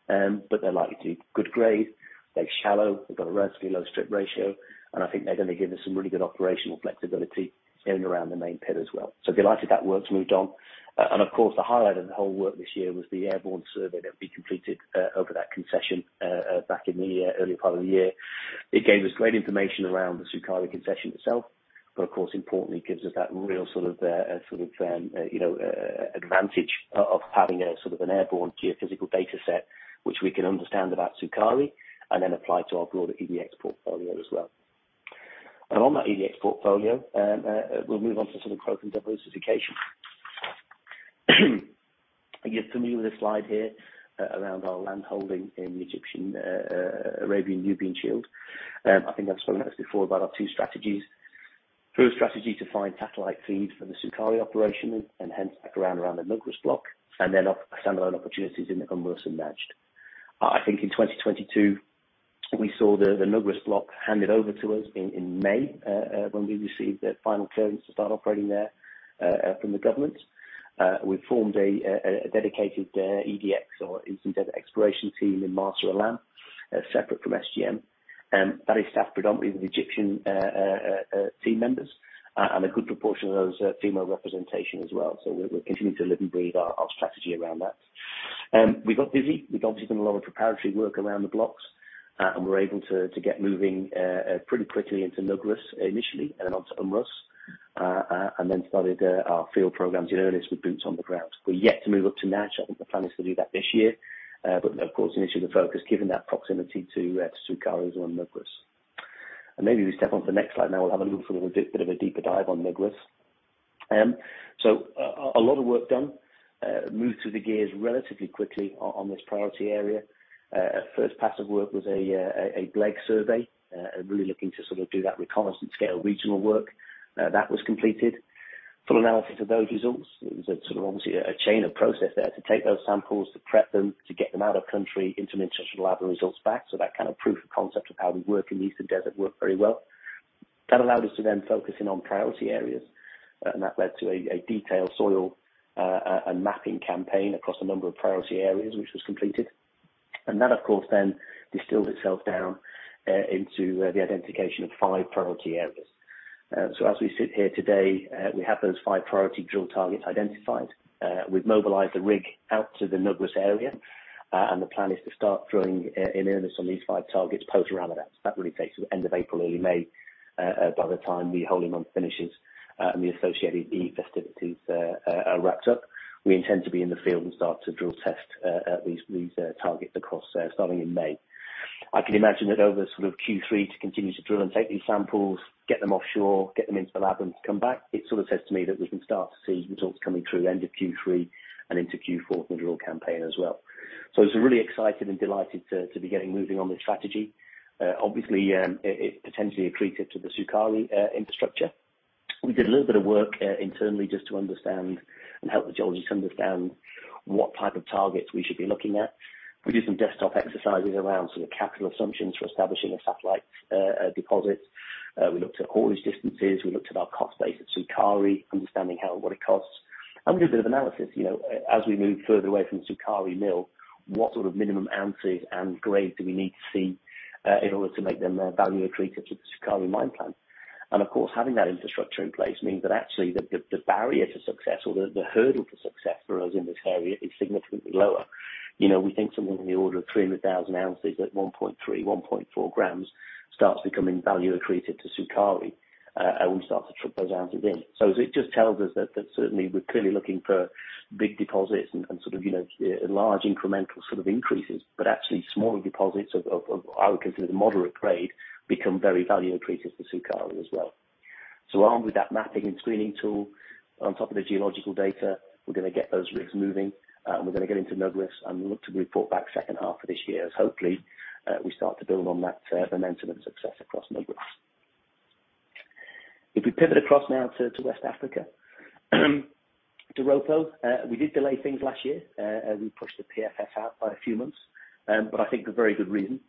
Speaker 2: They're likely to be good grade. They're shallow. They've got a relatively low strip ratio. I think they're gonna give us some really good operational flexibility around the main pit as well. Delighted that work's moved on. Of course, the highlight of the whole work this year was the airborne survey that we completed over that concession back in the early part of the year. It gave us great information around the Sukari concession itself, but of course, importantly, gives us that real sort of, sort of, you know, advantage of having a sort of an airborne geophysical data set, which we can understand about Sukari and then apply to our broader EDX portfolio as well. On that EDX portfolio, we'll move on to sort of growth and diversification. Again, familiar with this slide here, around our land holding in the Egyptian Arabian- Nubian Shield. I think I've spoken about this before about our two strategies. First strategy, to find satellite feeds for the Sukari operation, and hence back around the Nugrus block, and then standalone opportunities in the Um Rus and Najd. I think in 2022, we saw the Nugrus block handed over to us in May when we received the final clearance to start operating there from the government. We formed a dedicated EDX or Eastern Desert exploration team in Marsa Alam, separate from SGM. That is staffed predominantly with Egyptian team members, and a good proportion of those female representation as well. We're continuing to live and breathe our strategy around that. We got busy. We've obviously done a lot of preparatory work around the blocks, and we're able to get moving pretty quickly into Nugrus initially and then onto Um Rus, and then started our field programs in earnest with boots on the ground. We're yet to move up to Najd. I think the plan is to do that this year. Of course, initially the focus given that proximity to Sukari is on Nugrus. Maybe we step on to the next slide now. We'll have a look for a bit of a deeper dive on Nugrus. A lot of work done. Moved through the gears relatively quickly on this priority area. Our first pass of work was a BLEG survey, really looking to sort of do that reconnaissance scale regional work. That was completed. Full analysis of those results. It was a sort of obviously a chain of process there to take those samples, to prep them, to get them out of country, into an international lab and results back. That kind of proof of concept of how we work in the Eastern Desert worked very well. That allowed us to then focus in on priority areas, and that led to a detailed soil mapping campaign across a number of priority areas which was completed. That, of course, then distilled itself down into the identification of five priority areas. As we sit here today, we have those five priority drill targets identified. We've mobilized the rig out to the Nugrus area, and the plan is to start drilling in earnest on these five targets post-Ramadan. That really takes us end of April, early May, by the time the holy month finishes and the associated Eid festivities are wrapped up. We intend to be in the field and start to drill test at these targets across there starting in May. I can imagine that over sort of Q3 to continue to drill and take these samples, get them offshore, get them into the lab and come back. It sort of says to me that we can start to see results coming through end of Q3 and into Q4 with the drill campaign as well. It's really exciting and delighted to be getting moving on this strategy. Obviously, it potentially accretive to the Sukari infrastructure. We did a little bit of work internally just to understand and help the geologists understand what type of targets we should be looking at. We did some desktop exercises around some capital assumptions for establishing a satellite deposit. We looked at haulage distances, we looked at our cost base at Sukari, understanding how and what it costs. We did a bit of analysis, you know, as we move further away from Sukari mill, what sort of minimum ounces and grades do we need to see in order to make them value accretive to the Sukari mine plan. Of course, having that infrastructure in place means that actually the barrier to success or the hurdle to success for us in this area is significantly lower. You know, we think somewhere in the order of 300,000 ounces at 1.3, 1.4 g starts becoming value accretive to Sukari, and we start to trip those ounces in. It just tells us that certainly we're clearly looking for big deposits and sort of, you know, large incremental sort of increases, but actually smaller deposits of, I would consider the moderate grade, become very value accretive to Sukari as well. Along with that mapping and screening tool, on top of the geological data, we're gonna get those rigs moving, and we're gonna get into Nugrus, and we look to report back second half of this year as hopefully, we start to build on that momentum and success across Nugrus. If we pivot across now to West Africa, to Doropo. We did delay things last year as we pushed the PFS out by a few months, but I think for very good reason.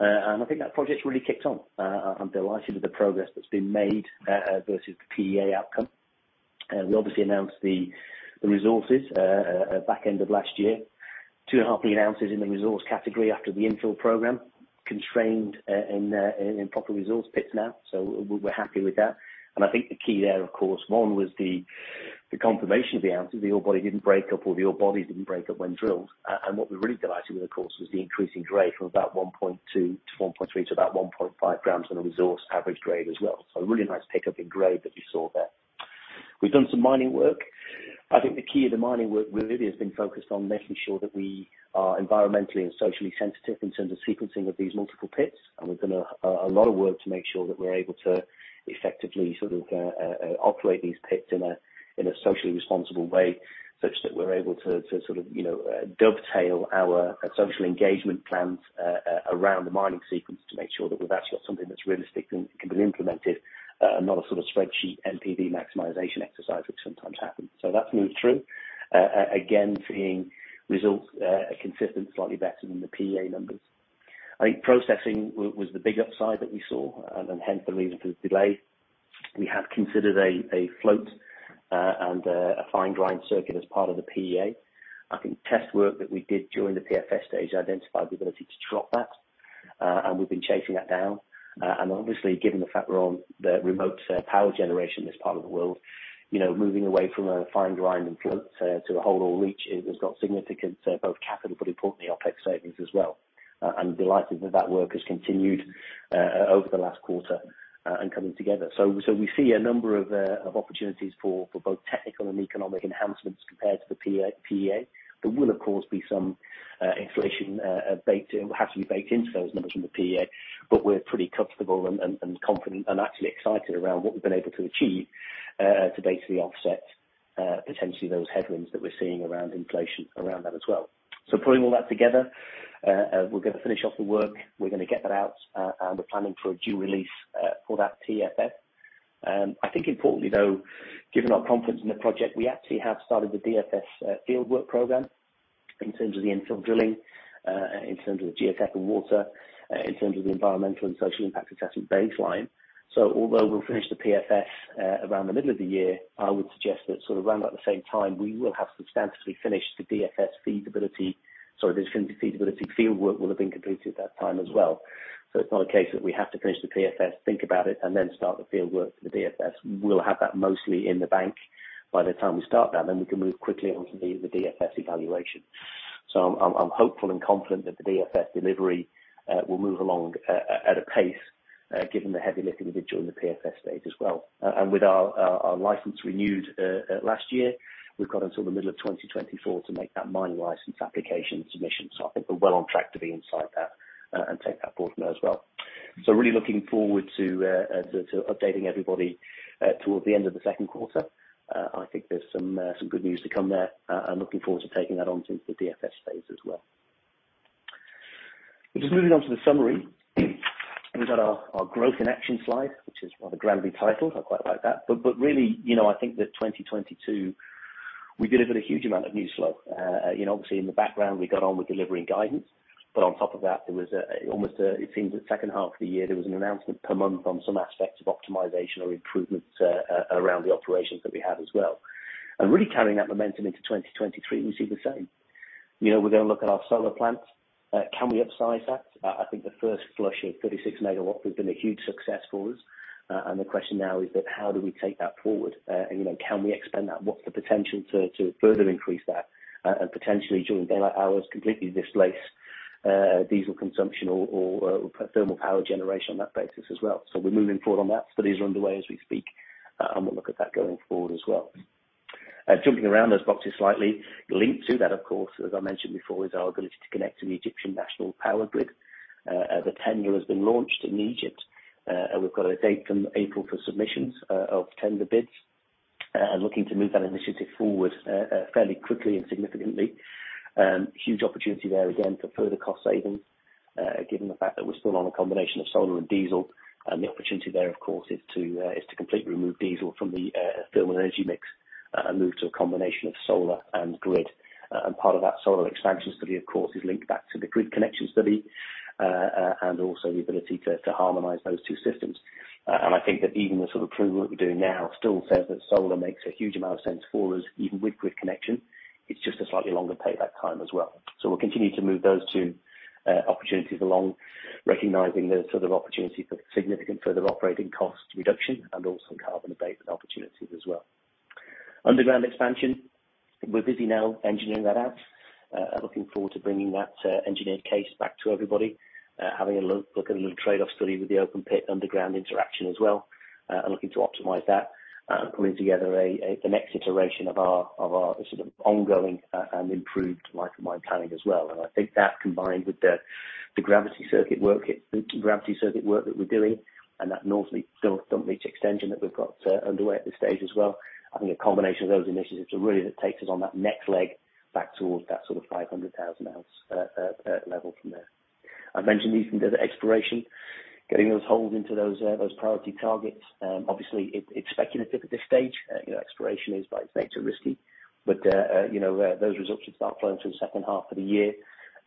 Speaker 2: I think that project's really kicked on. I'm delighted with the progress that's been made versus the PEA outcome. We obviously announced the resources back end of last year. 2.5 million ounces in the resource category after the infill program, constrained in proper resource pits now. We're happy with that. I think the key there, of course, one was the confirmation of the ounces. The ore body didn't break up, or the ore bodies didn't break up when drilled. What we're really delighted with, of course, was the increasing grade from about 1.2 to 1.3 to about 1.5 g on a resource average grade as well. A really nice pickup in grade that we saw there. We've done some mining work. I think the key of the mining work really has been focused on making sure that we are environmentally and socially sensitive in terms of sequencing of these multiple pits. We've done a lot of work to make sure that we're able to effectively sort of operate these pits in a socially responsible way, such that we're able to sort of, you know, dovetail our social engagement plans around the mining sequence to make sure that we've actually got something that's realistic and can be implemented, not a sort of spreadsheet NPV maximization exercise, which sometimes happens. That's moved through. Again, seeing results are consistent, slightly better than the PEA numbers. I think processing was the big upside that we saw, and hence the reason for the delay. We have considered a float and a fine grind circuit as part of the PEA. I think test work that we did during the PFS stage identified the ability to drop that, and we've been chasing that down. Obviously, given the fact we're on the remote power generation in this part of the world, you know, moving away from a fine grind and float to a whole ore leach is, has got significant both capital but importantly, OpEx savings as well. I'm delighted that that work has continued over the last quarter and coming together. We see a number of opportunities for both technical and economic enhancements compared to the PEA. There will, of course, be some inflation baked in. It will have to be baked into those numbers from the PEA, but we're pretty comfortable and confident and actually excited around what we've been able to achieve to basically offset potentially those headwinds that we're seeing around inflation around that as well. Pulling all that together, we're gonna finish off the work. We're gonna get that out, and we're planning for a due release for that PFS. I think importantly, though, given our confidence in the project, we actually have started the DFS field work program in terms of the infill drilling, in terms of the geotech and water, in terms of the environmental and social impact assessment baseline. Although we'll finish the PFS around the middle of the year, I would suggest that sort of around about the same time, we will have substantially finished the DFS feasibility. Sorry, the feasibility field work will have been completed at that time as well. It's not a case that we have to finish the PFS, think about it, and then start the field work for the DFS. We'll have that mostly in the bank by the time we start that, then we can move quickly on to the DFS evaluation. I'm hopeful and confident that the DFS delivery will move along at a pace given the heavy lifting we did during the PFS stage as well. With our license renewed last year, we've got until the middle of 2024 to make that mining license application submission. I think we're well on track to be inside that and take that forward now as well. Really looking forward to updating everybody toward the end of the second quarter. I think there's some good news to come there and looking forward to taking that on to the DFS phase as well. Just moving on to the summary. We've got our growth in action slide, which is rather grandly titled. I quite like that. Really, you know, I think that 2022. We delivered a huge amount of news flow. You know, obviously in the background, we got on with delivering guidance. On top of that, there was almost it seems the second half of the year, there was an announcement per month on some aspects of optimization or improvements around the operations that we have as well. Really carrying that momentum into 2023, we see the same. You know, we're gonna look at our solar plants. Can we upsize that? I think the first flush of 36 MW has been a huge success for us. The question now is that how do we take that forward? You know, can we expand that? What's the potential to further increase that and potentially during daylight hours, completely displace diesel consumption or thermal power generation on that basis as well. We're moving forward on that. Studies are underway as we speak. We'll look at that going forward as well. Jumping around those boxes slightly, linked to that, of course, as I mentioned before, is our ability to connect to the Egyptian national power grid. The tender has been launched in Egypt. We've got a date in April for submissions, of tender bids. Looking to move that initiative forward, fairly quickly and significantly. Huge opportunity there again for further cost savings, given the fact that we're still on a combination of solar and diesel. The opportunity there, of course, is to completely remove diesel from the thermal energy mix, and move to a combination of solar and grid. Part of that solar expansion study, of course, is linked back to the grid connection study, and also the ability to harmonize those two systems. I think that even the sort of preliminary work we're doing now still says that solar makes a huge amount of sense for us, even with grid connection. It's just a slightly longer payback time as well. We'll continue to move those two opportunities along, recognizing the sort of opportunity for significant further operating cost reduction and also carbon abatement opportunities as well. Underground expansion. We're busy now engineering that out, and looking forward to bringing that engineered case back to everybody. Having a look at a little trade-off study with the open pit underground interaction as well, and looking to optimize that, and pulling together a next iteration of our sort of ongoing and improved mine to mine planning as well. I think that combined with the gravity circuit work that we're doing and that North Dump Leach extension that we've got underway at this stage as well, I think a combination of those initiatives are really that takes us on that next leg back towards that sort of 500,000 ounce level from there. I've mentioned these in the exploration, getting those holes into those priority targets. Obviously it's speculative at this stage. You know, exploration is by its nature risky. You know, those results should start flowing through the second half of the year,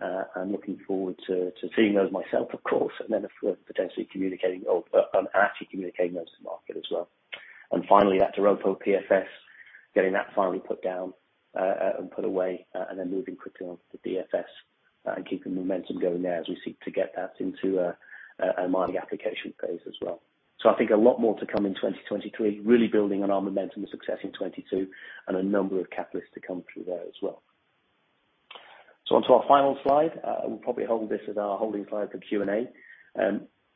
Speaker 2: and looking forward to seeing those myself, of course, and then of course, potentially communicating or actually communicating those to the market as well. Finally, at Doropo PFS, getting that finally put down and put away, and then moving quickly on to DFS, and keeping the momentum going there as we seek to get that into a mining application phase as well. I think a lot more to come in 2023, really building on our momentum and success in 2022 and a number of catalysts to come through there as well. Onto our final slide. We'll probably hold this as our holding slide for Q&A.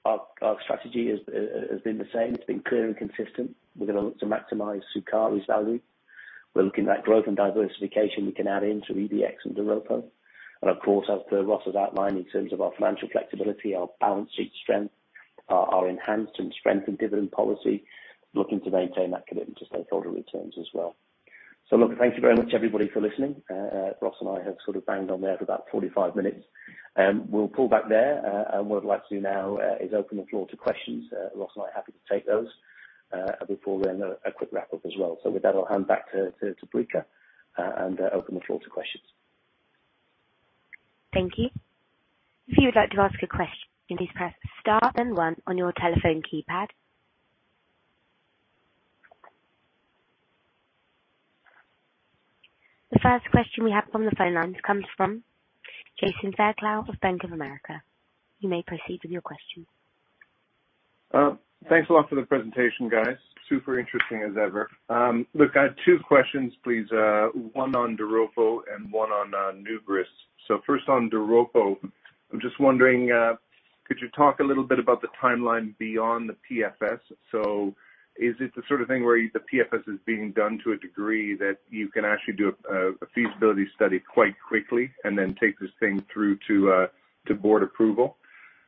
Speaker 2: Our strategy has been the same. It's been clear and consistent. We're gonna look to maximize Sukari's value. We're looking at growth and diversification we can add in through EDX and Doropo. Of course, as per Ross's outline in terms of our financial flexibility, our balance sheet strength, our enhanced and strengthened dividend policy, looking to maintain that commitment to stakeholder returns as well. Look, thank you very much everybody for listening. Ross and I have sort of banged on there for about 45 minutes. We'll pull back there. What I'd like to do now is open the floor to questions. Ross and I are happy to take those before then a quick wrap-up as well. With that, I'll hand back to Brika and open the floor to questions.
Speaker 1: Thank you. If you would like to ask a question, please press star then One on your telephone keypad. The first question we have on the phone lines comes from Jason Fairclough of Bank of America. You may proceed with your question.
Speaker 4: Thanks a lot for the presentation, guys. Super interesting as ever. Look, I have two questions, please. One on Doropo and one on Nugrus. First on Doropo, I'm just wondering, could you talk a little bit about the timeline beyond the PFS? Is it the sort of thing where the PFS is being done to a degree that you can actually do a feasibility study quite quickly and then take this thing through to board approval?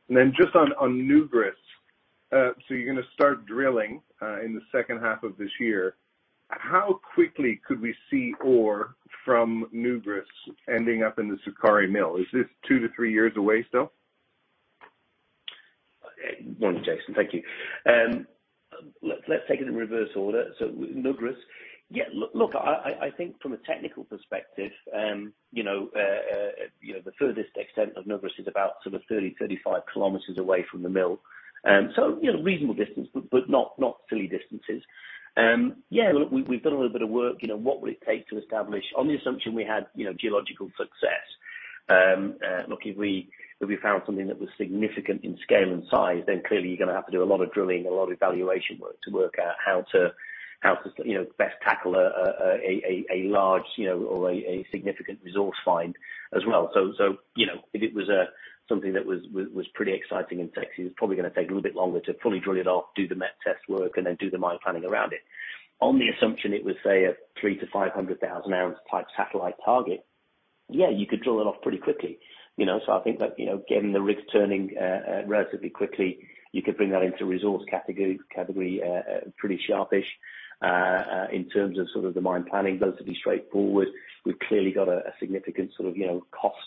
Speaker 4: Then just on Nugrus. You're gonna start drilling in the second half of this year. How quickly could we see ore from Nugrus ending up in the Sukari mill? Is this two-three years away still?
Speaker 2: Morning, Jason. Thank you. Let's take it in reverse order. Nugrus. Yeah. Look, I think from a technical perspective, you know, the furthest extent of Nugrus is about 30-35 km away from the mill. You know, reasonable distance, but not silly distances. Yeah, look, we've done a little bit of work, you know, what would it take to establish on the assumption we had, you know, geological success. Look, if we found something that was significant in scale and size, clearly you're gonna have to do a lot of drilling, a lot of evaluation work to work out how to best tackle a large, you know, or a significant resource find as well. You know, if it was something that was pretty exciting and sexy, it's probably gonna take a little bit longer to fully drill it off, do the met test work, and then do the mine planning around it. On the assumption, it was, say, a 300,000-500,000 ounce type satellite target, yeah, you could drill it off pretty quickly. You know, I think that, you know, getting the rigs turning relatively quickly, you could bring that into resource category pretty sharpish. In terms of sort of the mine planning, relatively straightforward. We've clearly got a significant sort of, you know, cost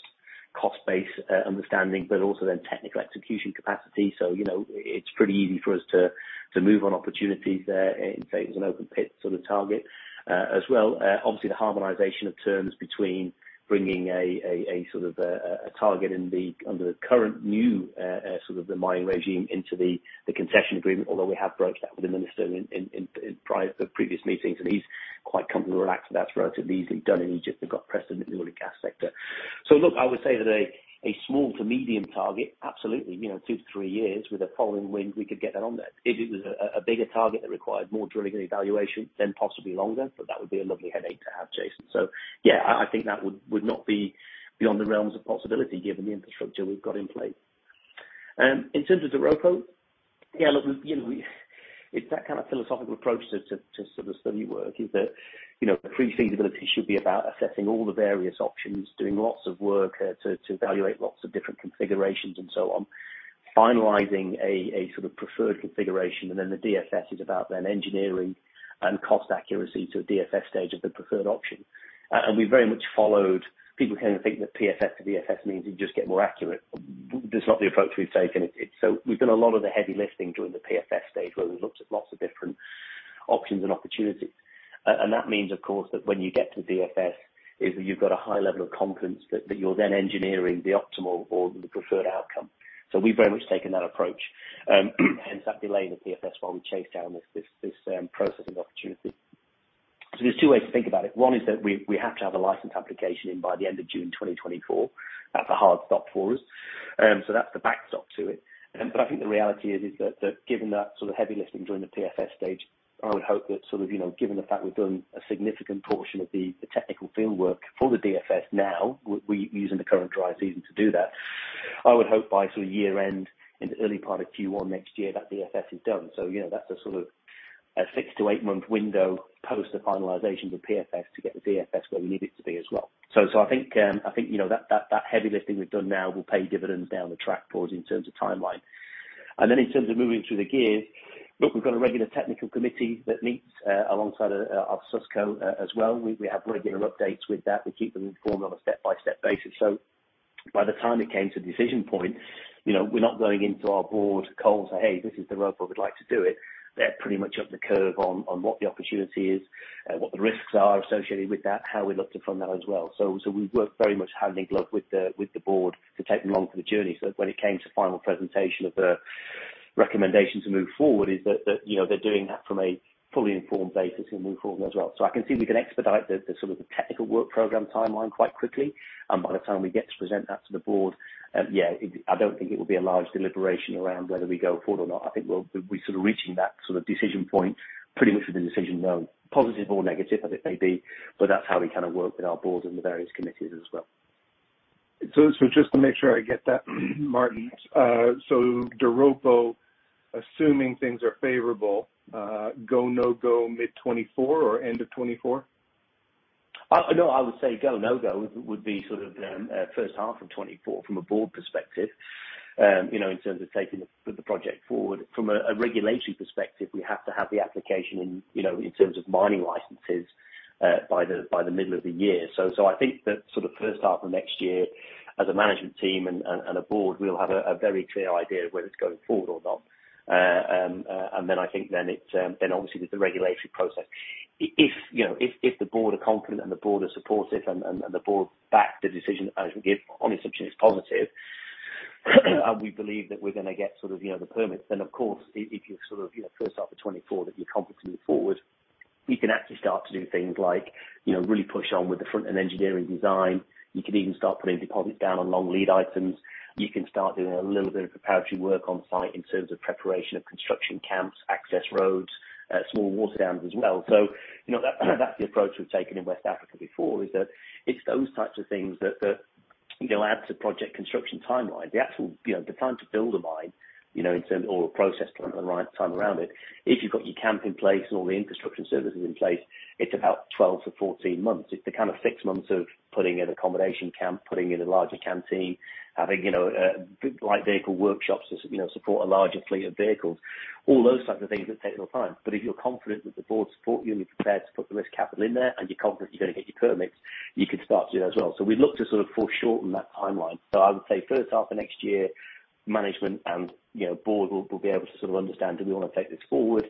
Speaker 2: base understanding, but also then technical execution capacity. You know, it's pretty easy for us to move on opportunities there and say it's an open pit sort of target. As well, obviously the harmonization of terms between bringing a sort of a target under the current new sort of the mining regime into the Concession Agreement. Although we have broached that with the minister in previous meetings, and he's quite comfortable to relax, so that's relatively easily done in Egypt. We've got precedent in the oil and gas sector. Look, I would say that a small to medium target, absolutely. You know, two to three years with a following wind, we could get that on there. If it was a bigger target that required more drilling and evaluation, then possibly longer, but that would be a lovely headache to have, Jason. Yeah, I think that would not be beyond the realms of possibility given the infrastructure we've got in play. In terms of Doropo, yeah, look, you know, we it's that kind of philosophical approach to, to sort of study work is that, you know, the pre-feasibility should be about assessing all the various options, doing lots of work, to evaluate lots of different configurations, and so on. Finalizing a sort of preferred configuration, and then the DFS is about then engineering and cost accuracy to a DFS stage of the preferred option. And we very much followed. People tend to think that PFS to DFS means you just get more accurate. That's not the approach we've taken. It's, it's so we've done a lot of the heavy lifting during the PFS stage where we looked at lots of different options and opportunities. That means, of course, that when you get to DFS is that you've got a high level of confidence that you're then engineering the optimal or the preferred outcome. We've very much taken that approach. Hence that delay in the PFS while we chase down this processing opportunity. There's two ways to think about it. One is that we have to have a license application in by the end of June 2024. That's a hard stop for us. So that's the backstop to it. I think the reality is that given that sort of heavy lifting during the PFS stage, I would hope that sort of, you know, given the fact we've done a significant portion of the technical field work for the DFS now, we using the current dry season to do that. I would hope by sort of year-end, in the early part of Q1 next year, that DFS is done. You know, that's a sort of a six-eight month window post the finalization of the PFS to get the DFS where we need it to be as well. I think, you know, that heavy lifting we've done now will pay dividends down the track for us in terms of timeline. In terms of moving through the gears, look, we've got a regular technical committee that meets alongside our SUSCO as well. We have regular updates with that. We keep them informed on a step-by-step basis. By the time it came to decision point, you know, we're not going into our board cold, say, "Hey, this is Doropo. We'd like to do it." They're pretty much up the curve on what the opportunity is, what the risks are associated with that, how we looked to fund that as well. We worked very much hand in glove with the board to take them along for the journey. When it came to final presentation of the recommendation to move forward is that, you know, they're doing that from a fully informed basis and move forward as well. I can see we can expedite the sort of the technical work program timeline quite quickly. By the time we get to present that to the board, I don't think it will be a large deliberation around whether we go forward or not. I think we'll. We're sort of reaching that sort of decision point pretty much with the decision known, positive or negative as it may be. That's how we kinda work with our board and the various committees as well.
Speaker 4: Just to make sure I get that, Martin. Doropo, assuming things are favorable, go, no-go mid 2024 or end of 2024?
Speaker 2: No, I would say go, no-go would be sort of first half of 2024 from a board perspective. You know, in terms of taking the project forward. From a regulatory perspective, we have to have the application in, you know, in terms of mining licenses by the middle of the year. I think that sort of first half of next year as a management team and a board, we'll have a very clear idea of whether it's going forward or not. Then I think then it's then obviously with the regulatory process. If, you know, if the board are confident and the board are supportive and, and the board back the decision the management give on assumption it's positive, and we believe that we're gonna get sort of, you know, the permits, then of course, if you sort of, you know, first half of 2024 that you're confident to move forward, you can actually start to do things like, you know, really push on with the front end engineering design. You can even start putting deposits down on long lead items. You can start doing a little bit of preparatory work on site in terms of preparation of construction camps, access roads, small water dams as well. You know, that's the approach we've taken in West Africa before, is that it's those types of things that, you know, add to project construction timeline. The actual, you know, the time to build a mine, you know, in terms or a process and the right time around it. If you've got your camp in place and all the infrastructure and services in place, it's about 12 to 14 months. It's the kind of six months of putting an accommodation camp, putting in a larger canteen, having, you know, light vehicle workshops to, you know, support a larger fleet of vehicles, all those types of things that take a little time. If you're confident that the board support you and you're prepared to put the risk capital in there, and you're confident you're gonna get your permits, you can start to do that as well. We look to sort of foreshorten that timeline. I would say first half of next year, management and, you know, board will be able to sort of understand, do we wanna take this forward?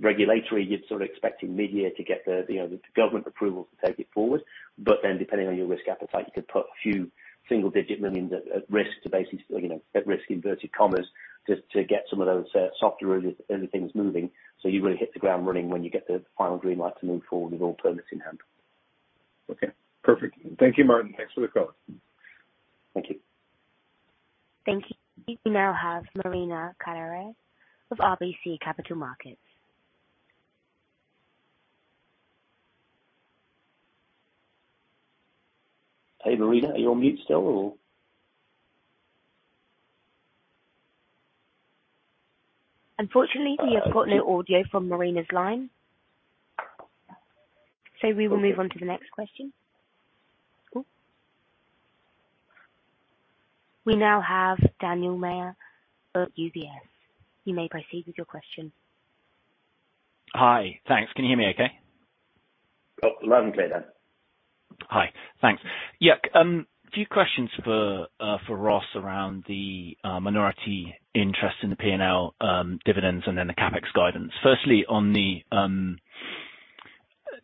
Speaker 2: Regulatory, you'd sort of expecting midyear to get the, you know, the government approval to take it forward. Depending on your risk appetite, you could put a few single digit millions dollars at risk to basically, you know, at risk, inverted commas, to get some of those softer earlier things moving. You really hit the ground running when you get the final green light to move forward with all permits in hand.
Speaker 4: Okay. Perfect. Thank you, Martin. Thanks for the call.
Speaker 2: Thank you.
Speaker 1: Thank you. We now have Marina Calero of RBC Capital Markets.
Speaker 2: Hey, Marina. Are you on mute still or?
Speaker 1: Unfortunately, we have got no audio from Marina's line. We will move on to the next question. Cool. We now have Daniel Major at UBS. You may proceed with your question.
Speaker 5: Hi. Thanks. Can you hear me okay?
Speaker 3: Oh, loud and clear, Dan.
Speaker 5: Hi. Thanks. Yeah. Few questions for Ross around the minority interest in the P&L, dividends and then the CapEx guidance. Firstly, on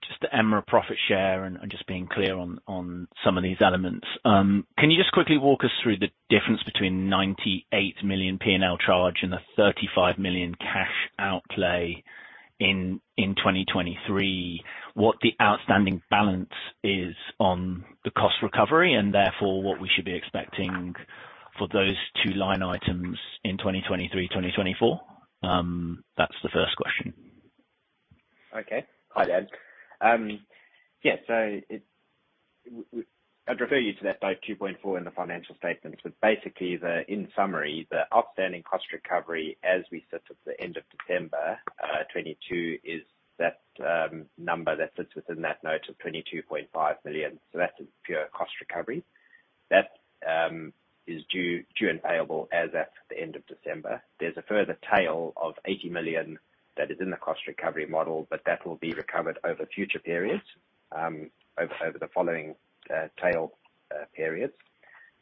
Speaker 5: the just the EMRA profit share and just being clear on some of these elements. Can you just quickly walk us through the difference between $98 million P&L charge and the $35 million cash outlay in 2023? What the outstanding balance is on the cost recovery, and therefore what we should be expecting for those two line items in 2023/2024? That's the first question.
Speaker 3: Okay. Hi, Dan. Yeah, I'd refer you to that note 2.4 in the financial statements. Basically the, in summary, the outstanding cost recovery as we sit at the end of December 2022, is that number that sits within that note of $22.5 million. That's a pure cost recovery. That is due and payable as at the end of December. There's a further tail of $80 million that is in the cost recovery model, that will be recovered over future periods, over the following tail periods.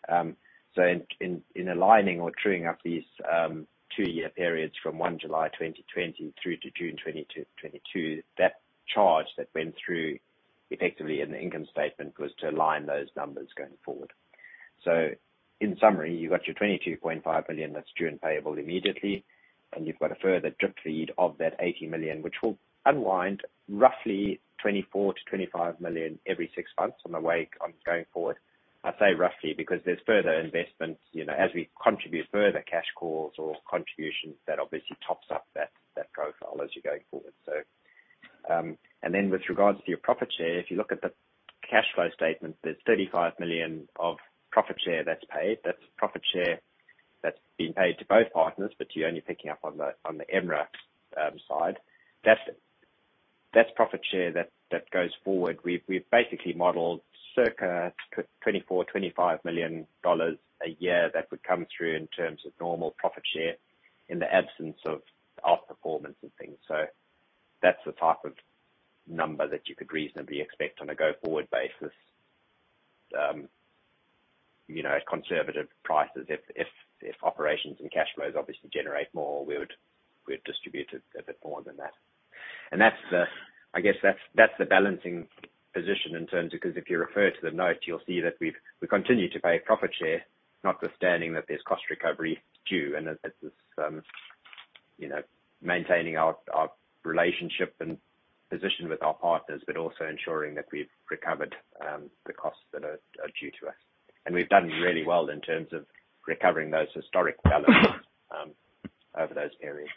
Speaker 3: In aligning or trueing up these two-year periods from July 1, 2020 through to June 22, 2022, that charge that went through effectively in the income statement was to align those numbers going forward. In summary, you've got your $22.5 million that's due and payable immediately, you've got a further drip feed of that $80 million, which will unwind roughly $24 million-$25 million every six months on the way, going forward. I say roughly because there's further investment, you know, as we contribute further cash calls or contributions that obviously tops up that profile as you're going forward. With regards to your profit share, if you look at the cash flow statement, there's $35 million of profit share that's paid. That's profit share that's being paid to both partners, you're only picking up on the, on the EMRA, side. That's profit share that goes forward. We've basically modeled circa $24 million-$25 million a year that would come through in terms of normal profit share in the absence of out performance and things. That's the type of number that you could reasonably expect on a go forward basis, you know, at conservative prices. If operations and cash flows obviously generate more, we'd distribute it a bit more than that. That's I guess that's the balancing position in terms of 'cause if you refer to the note, you'll see that we continue to pay profit share, notwithstanding that there's cost recovery due and that this, you know, maintaining our relationship and position with our partners, but also ensuring that we've recovered the costs that are due to us. We've done really well in terms of recovering those historic balances, over those periods.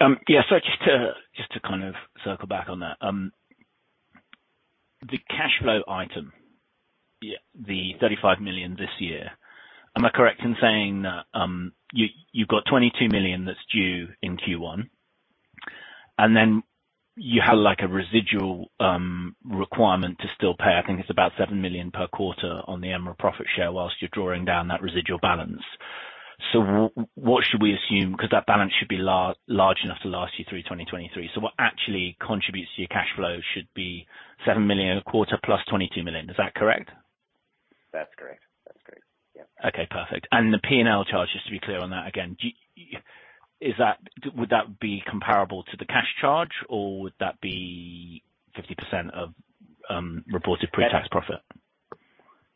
Speaker 5: Yeah. just to kind of circle back on that. The cash flow item.
Speaker 3: Yeah.
Speaker 5: The $35 million this year. Am I correct in saying that you've got $22 million that's due in Q1, and then you have like a residual requirement to still pay, I think it's about $7 million per quarter on the EMRA profit share whilst you're drawing down that residual balance. What should we assume? 'Cause that balance should be large enough to last you through 2023. What actually contributes to your cash flow should be $7 million a quarter plus $22 million. Is that correct?
Speaker 3: That's correct. Yeah.
Speaker 5: Okay. Perfect. The P&L charge, just to be clear on that again. Would that be comparable to the cash charge or would that be 50% of reported pre-tax profit?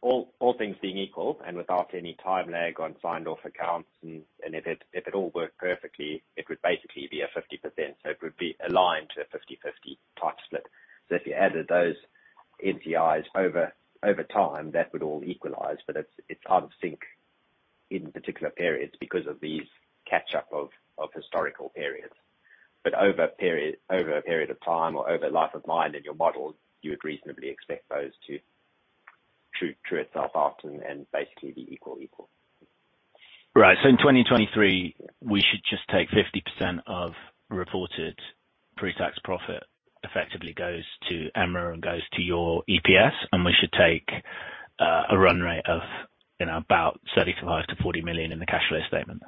Speaker 3: All things being equal and without any time lag on signed off accounts and if it all worked perfectly, it would basically be a 50%. It would be aligned to a 50/50 type split. If you added those NCIs over time, that would all equalize. It's out of sync in particular periods because of these catch up of historical periods. Over a period of time or over life of mine in your model, you would reasonably expect those to true itself out and basically be equal.
Speaker 5: Right. In 2023, we should just take 50% of reported pre-tax profit effectively goes to EMRA and goes to your EPS. We should take a run rate of, you know, about $35 million-$40 million in the cash flow statement.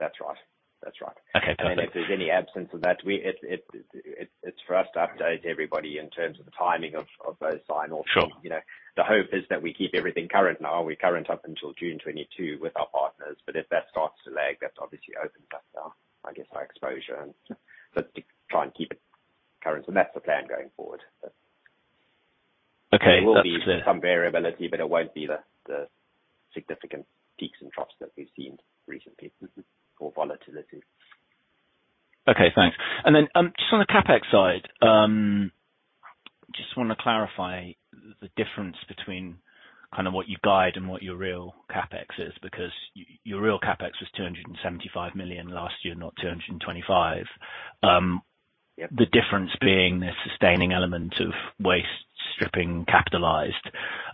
Speaker 3: That's right. That's right.
Speaker 5: Okay. Perfect.
Speaker 3: If there's any absence of that, it's for us to update everybody in terms of the timing of those sign offs.
Speaker 5: Sure.
Speaker 3: You know, the hope is that we keep everything current. Now we're current up until June 2022 with our partners, but if that starts to lag, that obviously opens up our, I guess, our exposure. To try and keep it current. That's the plan going forward.
Speaker 5: Okay. That's clear.
Speaker 3: There will be some variability, but it won't be the significant peaks and troughs that we've seen recently or volatility.
Speaker 5: Okay. Thanks. Just on the CapEx side, just wanna clarify the difference between kind of what you guide and what your real CapEx is. Your real CapEx was $275 million last year, not $225 million.
Speaker 3: Yeah.
Speaker 5: The difference being the sustaining element of waste stripping capitalized.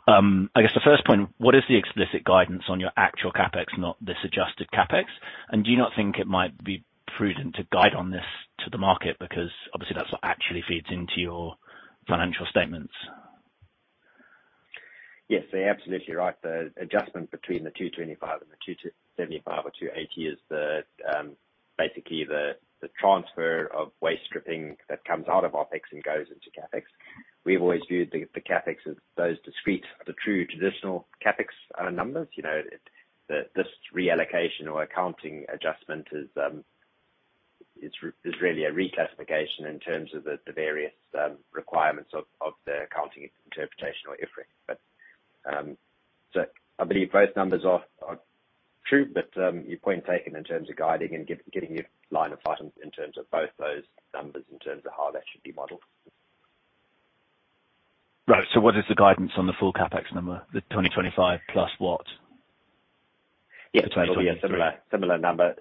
Speaker 5: I guess the first point, what is the explicit guidance on your actual CapEx, not this adjusted CapEx? Do you not think it might be prudent to guide on this to the market? Because obviously that's what actually feeds into your financial statements.
Speaker 3: Yes, you're absolutely right. The adjustment between $225 and $275 or $280 is basically the transfer of waste stripping that comes out of OpEx and goes into CapEx. We've always viewed the CapEx as those discrete, the true traditional CapEx numbers. You know, this reallocation or accounting adjustment is really a reclassification in terms of the various requirements of the accounting interpretation or IFRIC. I believe both numbers are true, your point taken in terms of guiding and getting your line of sight in terms of both those numbers, in terms of how that should be modeled.
Speaker 5: Right. What is the guidance on the full CapEx number, the 2025 plus what?
Speaker 3: Yes, it will be a similar number.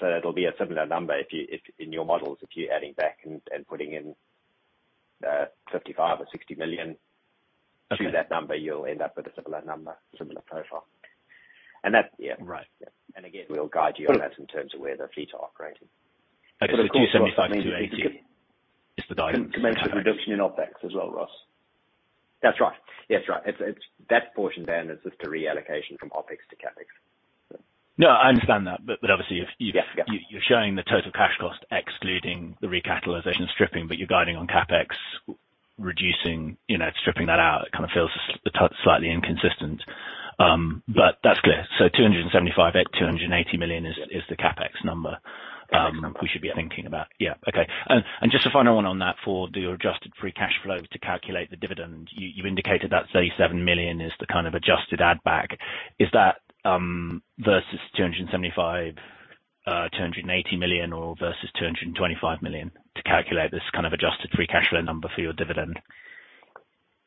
Speaker 3: It'll be a similar number if in your models, if you're adding back and putting in, $55 million or $60 million.
Speaker 5: Okay.
Speaker 3: to that number, you'll end up with a similar number, similar profile. That's, yeah.
Speaker 5: Right.
Speaker 3: Yeah. Again, we'll guide you on this in terms of where the fleet are operating.
Speaker 5: Okay. 275-280 is the guidance.
Speaker 2: Can make a reduction in OpEx as well, Ross.
Speaker 3: That's right. That's right. It's. That portion is just a reallocation from OpEx to CapEx.
Speaker 5: No, I understand that. Obviously...
Speaker 3: Yes. Yeah.
Speaker 5: You're showing the total cash cost excluding the recatalyzation stripping, but you're guiding on CapEx, reducing, you know, stripping that out. It kinda feels slightly inconsistent. That's clear. $275 million-$280 million is the CapEx number.
Speaker 3: CapEx number.
Speaker 5: We should be thinking about. Yeah. Okay. Just a final one on that, for your adjusted free cash flow to calculate the dividend, you indicated that $37 million is the kind of adjusted add back. Is that versus 275, $280 million or versus $225 million to calculate this kind of adjusted free cash flow number for your dividend?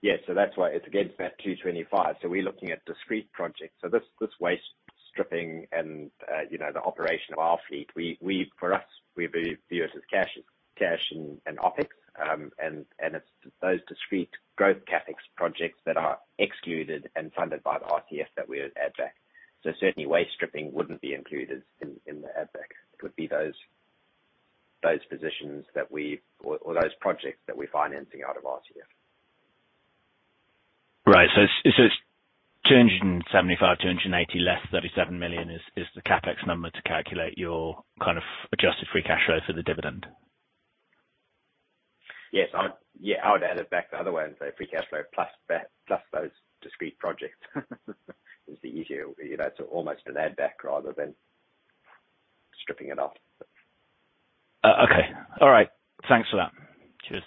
Speaker 3: Yes. That's why it's against that 225. We're looking at discrete projects. This waste stripping and, you know, the operation of our fleet, for us, we view this as cash and OpEx. It's those discrete growth CapEx projects that are excluded and funded by the RCF that we would add back. Certainly waste stripping wouldn't be included in the add back. It would be those positions that we or those projects that we're financing out of RCF.
Speaker 5: Right. It's 275, 280 less $37 million is the CapEx number to calculate your kind of adjusted free cash flow for the dividend?
Speaker 3: Yes. Yeah, I would add it back the other way and say free cash flow plus that, plus those discrete projects, is the easier, you know, so almost an add back rather than stripping it off.
Speaker 5: Okay. All right. Thanks for that. Cheers.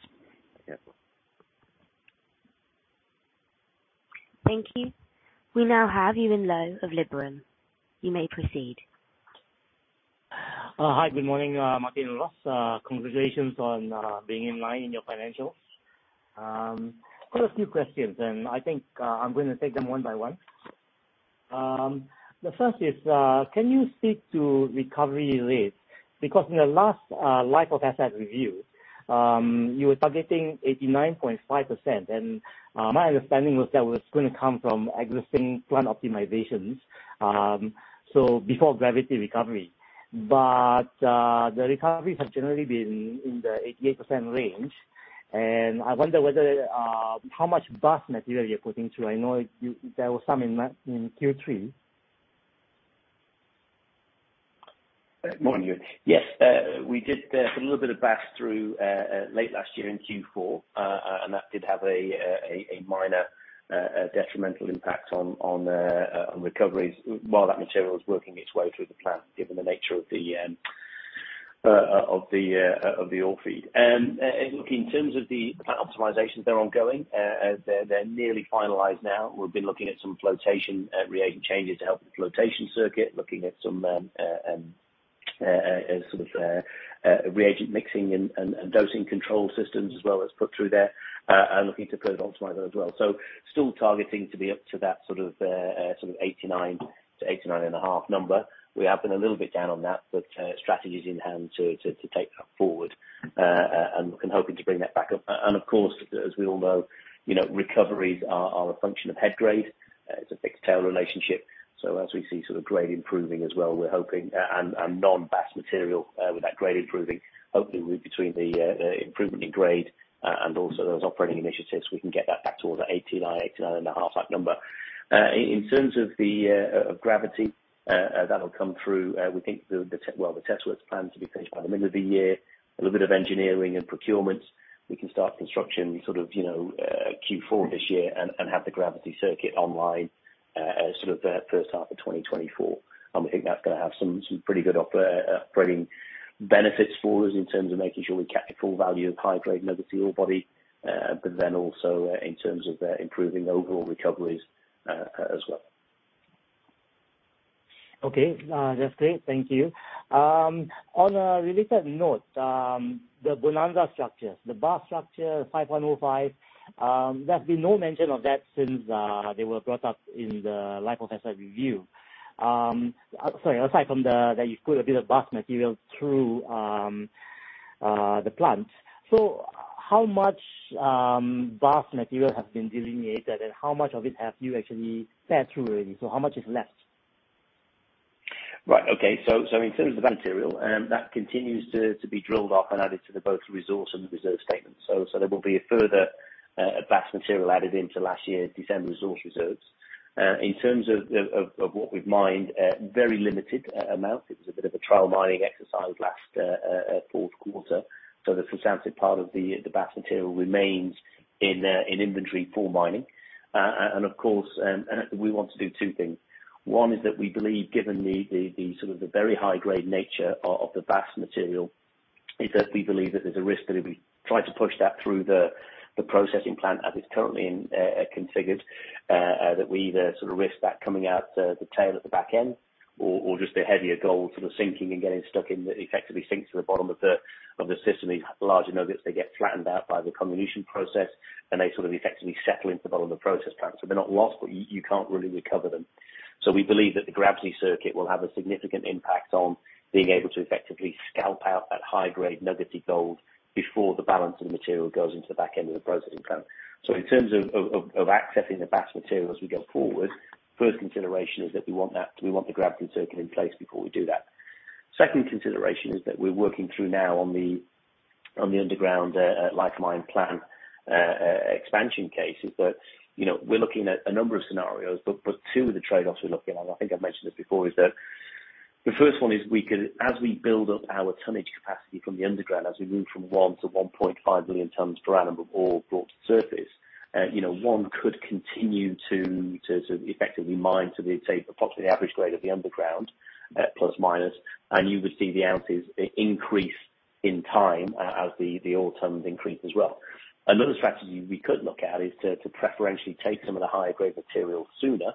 Speaker 3: Yep.
Speaker 1: Thank you. We now have Yuen Low of Liberum. You may proceed.
Speaker 6: Hi. Good morning, Martin and Ross. Congratulations on being in line in your financials. Got a few questions, and I think I'm gonna take them one by one. The first is, can you speak to recovery rates? Because in the last life of assets review, you were targeting 89.5%. My understanding was that was gonna come from existing plant optimizations, so before gravity recovery. The recoveries have generally been in the 88% range. I wonder whether how much Bast material you're putting through. I know there was some in Q3.
Speaker 2: Morning. Yes. We did put a little bit of Bast through late last year in Q4, and that did have a minor detrimental impact on recoveries while that material was working its way through the plant, given the nature of the of the of the ore feed. Look, in terms of the plant optimizations, they're ongoing. They're nearly finalized now. We've been looking at some flotation reagent changes to help the flotation circuit. Looking at some sort of reagent mixing and dosing control systems as well as put through there, and looking to put an optimizer as well. Still targeting to be up to that sort of 89-89.5 number. We have been a little bit down on that, but strategies in hand to take that forward and hoping to bring that back up. Of course, as we all know, you know, recoveries are a function of head grade. It's a fixed tail relationship. As we see sort of grade improving as well, we're hoping and non-Bast material, with that grade improving, hoping between the improvement in grade and also those operating initiatives, we can get that back to the 89-89.5 type number. In terms of the gravity, that'll come through, we think the test work's planned to be finished by the middle of the year. A little bit of engineering and procurement. We can start construction sort of, you know, Q4 this year and have the gravity circuit online, sort of the first half of 2024. We think that's gonna have some pretty good operating benefits for us in terms of making sure we capture full value of high-grade legacy ore body, but then also in terms of improving overall recoveries as well.
Speaker 6: Okay. That's great. Thank you. On a related note, the Bonanza structures, the Bast structure, 5105, there's been no mention of that since they were brought up in the life of asset review. Sorry, aside from that you've put a bit of Bast material through the plant. How much Bast material has been delineated, and how much of it have you actually fed through already? How much is left?
Speaker 2: Right. Okay. In terms of the material, that continues to be drilled up and added to the both resource and the reserve statements. There will be a further Bast material added into last year's December resource reserves. In terms of what we've mined, a very limited amount. It was a bit of a trial mining exercise last fourth quarter. The substantive part of the Bast material remains in inventory for mining. Of course, and we want to do two things. One is that we believe given the sort of the very high grade nature of the Bast material, is that we believe that there's a risk that if we try to push that through the processing plant as it's currently in configured, that we either sort of risk that coming out the tail at the back end or just the heavier gold sort of sinking and getting stuck and effectively sinks to the bottom of the system. These larger nuggets, they get flattened out by the comminution process, and they sort of effectively settle into the bottom of the process plant. They're not lost, but you can't really recover them. We believe that the gravity circuit will have a significant impact on being able to effectively scalp out that high grade nuggety gold before the balance of the material goes into the back end of the processing plant. In terms of accessing the Bast material as we go forward, first consideration is that we want that, we want the gravity circuit in place before we do that. Second consideration is that we're working through now on the underground life of mine plan expansion case is that, you know, we're looking at a number of scenarios, but two of the trade-offs we're looking at, I think I've mentioned this before, is that the first one is we can. As we build up our tonnage capacity from the underground, as we move from 1 to 1.5 million tons per annum of ore brought to surface, you know, one could continue to effectively mine to, say, approximately the average grade of the underground at plus minus, and you would see the ounces increase in time as the ore tons increase as well. Another strategy we could look at is to preferentially take some of the higher grade material sooner.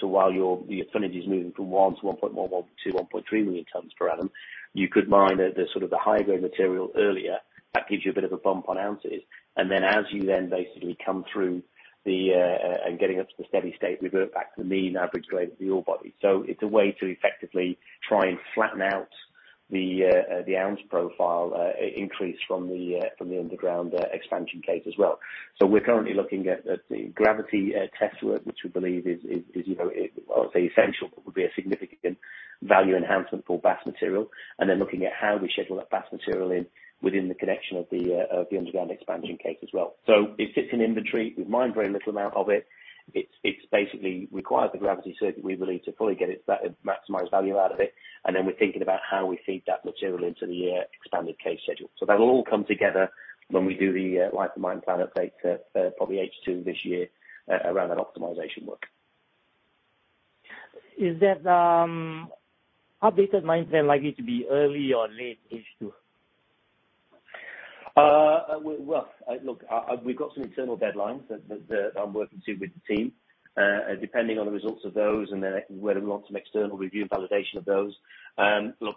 Speaker 2: While the tonnage is moving from 1 to 1.1 to 1.3 million tons per annum, you could mine the sort of the higher grade material earlier. That gives you a bit of a bump on ounces. As you then basically come through and getting up to the steady state, we revert back to the mean average grade of the ore body. It's a way to effectively try and flatten out the ounce profile increase from the underground expansion case as well. We're currently looking at the gravity test work, which we believe is, you know, well, I'll say essential, but would be a significant value enhancement for Bast material, and then looking at how we schedule that Bast material in within the connection of the underground expansion case as well. It sits in inventory. We've mined very little amount of it. It basically requires the gravity circuit, we believe, to fully get its maximize value out of it. We're thinking about how we feed that material into the expanded case schedule. That'll all come together when we do the life of mine plan update at probably H2 this year around that optimization work.
Speaker 6: Is that updated mine plan likely to be early or late H2?
Speaker 2: Well, look, we've got some internal deadlines that I'm working to with the team. Depending on the results of those and then whether we want some external review and validation of those. Look,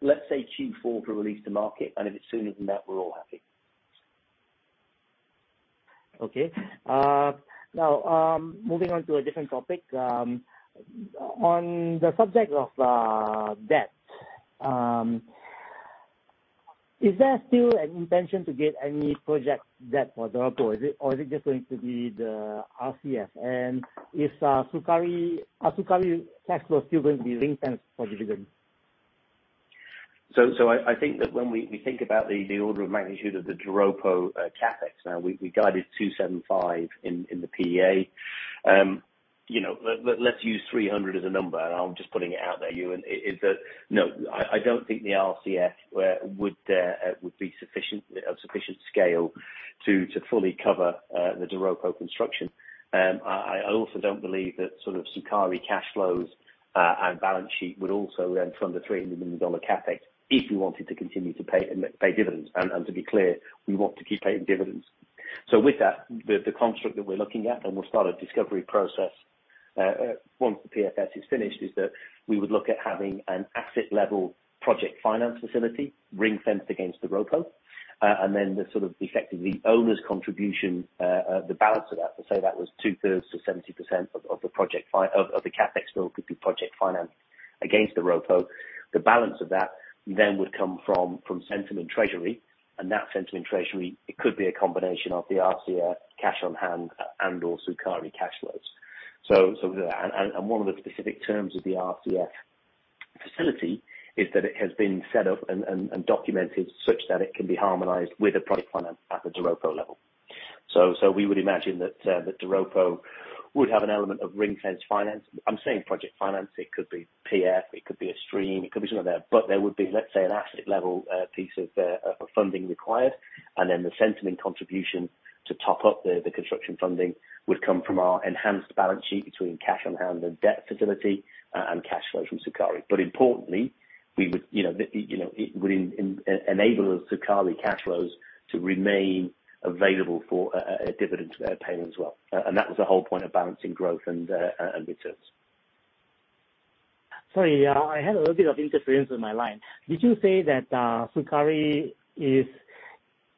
Speaker 2: let's say Q4 for release to market, and if it's sooner than that, we're all happy.
Speaker 6: Okay. Now, moving on to a different topic. On the subject of debt, is there still an intention to get any project debt for Doropo or is it just going to be the RCF? Are Sukari cash flows still going to be ring-fenced for dividends?
Speaker 2: I think that when we think about the order of magnitude of the Doropo CapEx, we guided $275 in the PEA. You know, let's use $300 as a number. I'm just putting it out there, Evan. I don't think the RCF would be of sufficient scale to fully cover the Doropo construction. I also don't believe that sort of Sukari cash flows and balance sheet would also then fund the $300 million CapEx if we wanted to continue to pay dividends. To be clear, we want to keep paying dividends. With that, the construct that we're looking at, and we'll start a discovery process once the PFS is finished, is that we would look at having an asset level project finance facility ring-fenced against Doropo. Then the sort of effectively owner's contribution, the balance of that, say that was two-thirds to 70% of the project finance, of the CapEx bill could be project financed against Doropo. The balance of that then would come from Centamin treasury, and that Centamin treasury, it could be a combination of the RCF cash on hand and/or Sukari cash flows. One of the specific terms of the RCF facility is that it has been set up and documented such that it can be harmonized with a project finance at the Doropo level. We would imagine that Doropo would have an element of ring-fenced finance. I'm saying project finance. It could be PF, it could be a stream, it could be something like that. There would be, let's say, an asset level piece of funding required. Then the Centamin contribution to top up the construction funding would come from our enhanced balance sheet between cash on hand and debt facility and cash flows from Sukari. Importantly, we would, you know, it would enable the Sukari cash flows to remain available for dividend payment as well. That was the whole point of balancing growth and returns.
Speaker 6: Sorry, I had a little bit of interference with my line. Did you say that Sukari is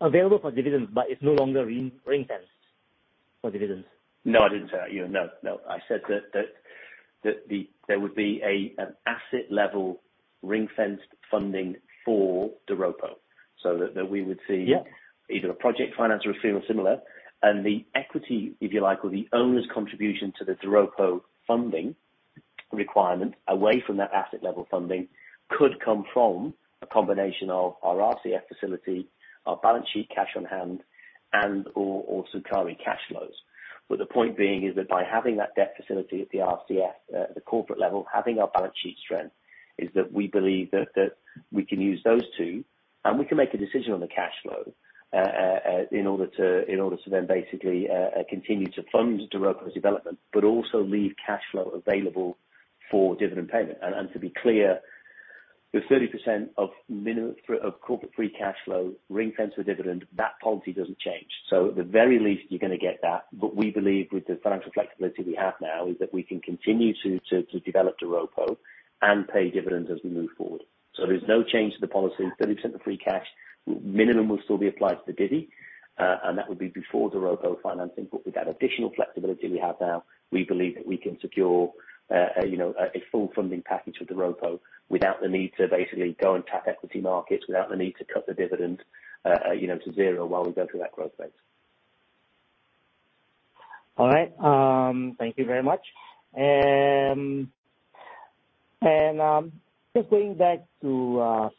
Speaker 6: available for dividends, but it's no longer ring-fenced for dividends?
Speaker 2: No, I didn't say that, Evan Lowe. No. No. I said that the there would be an asset-level ring-fenced funding for Doropo, so that we would see...
Speaker 6: Yeah
Speaker 2: Either a project financer or fee or similar. The equity, if you like, or the owner's contribution to the Doropo funding requirement away from that asset level funding could come from a combination of our RCF facility, our balance sheet cash on hand and/or Sukari cash flows. The point being is that by having that debt facility at the RCF, at the corporate level, having our balance sheet strength, is that we believe that we can use those two, and we can make a decision on the cash flow in order to then basically continue to fund Doropo's development, but also leave cash flow available for dividend payment. To be clear, the 30% of for of corporate free cash flow ring-fenced for dividend, that policy doesn't change. At the very least, you're gonna get that. We believe with the financial flexibility we have now, is that we can continue to develop Doropo and pay dividends as we move forward. There's no change to the policy. 30% of free cash minimum will still be applied to divvy, and that would be before Doropo financing. With that additional flexibility we have now, we believe that we can secure, you know, a full funding package with Doropo without the need to basically go and tap equity markets, without the need to cut the dividend, you know, to 0 while we go through that growth phase.
Speaker 6: All right. Thank you very much. Just going back to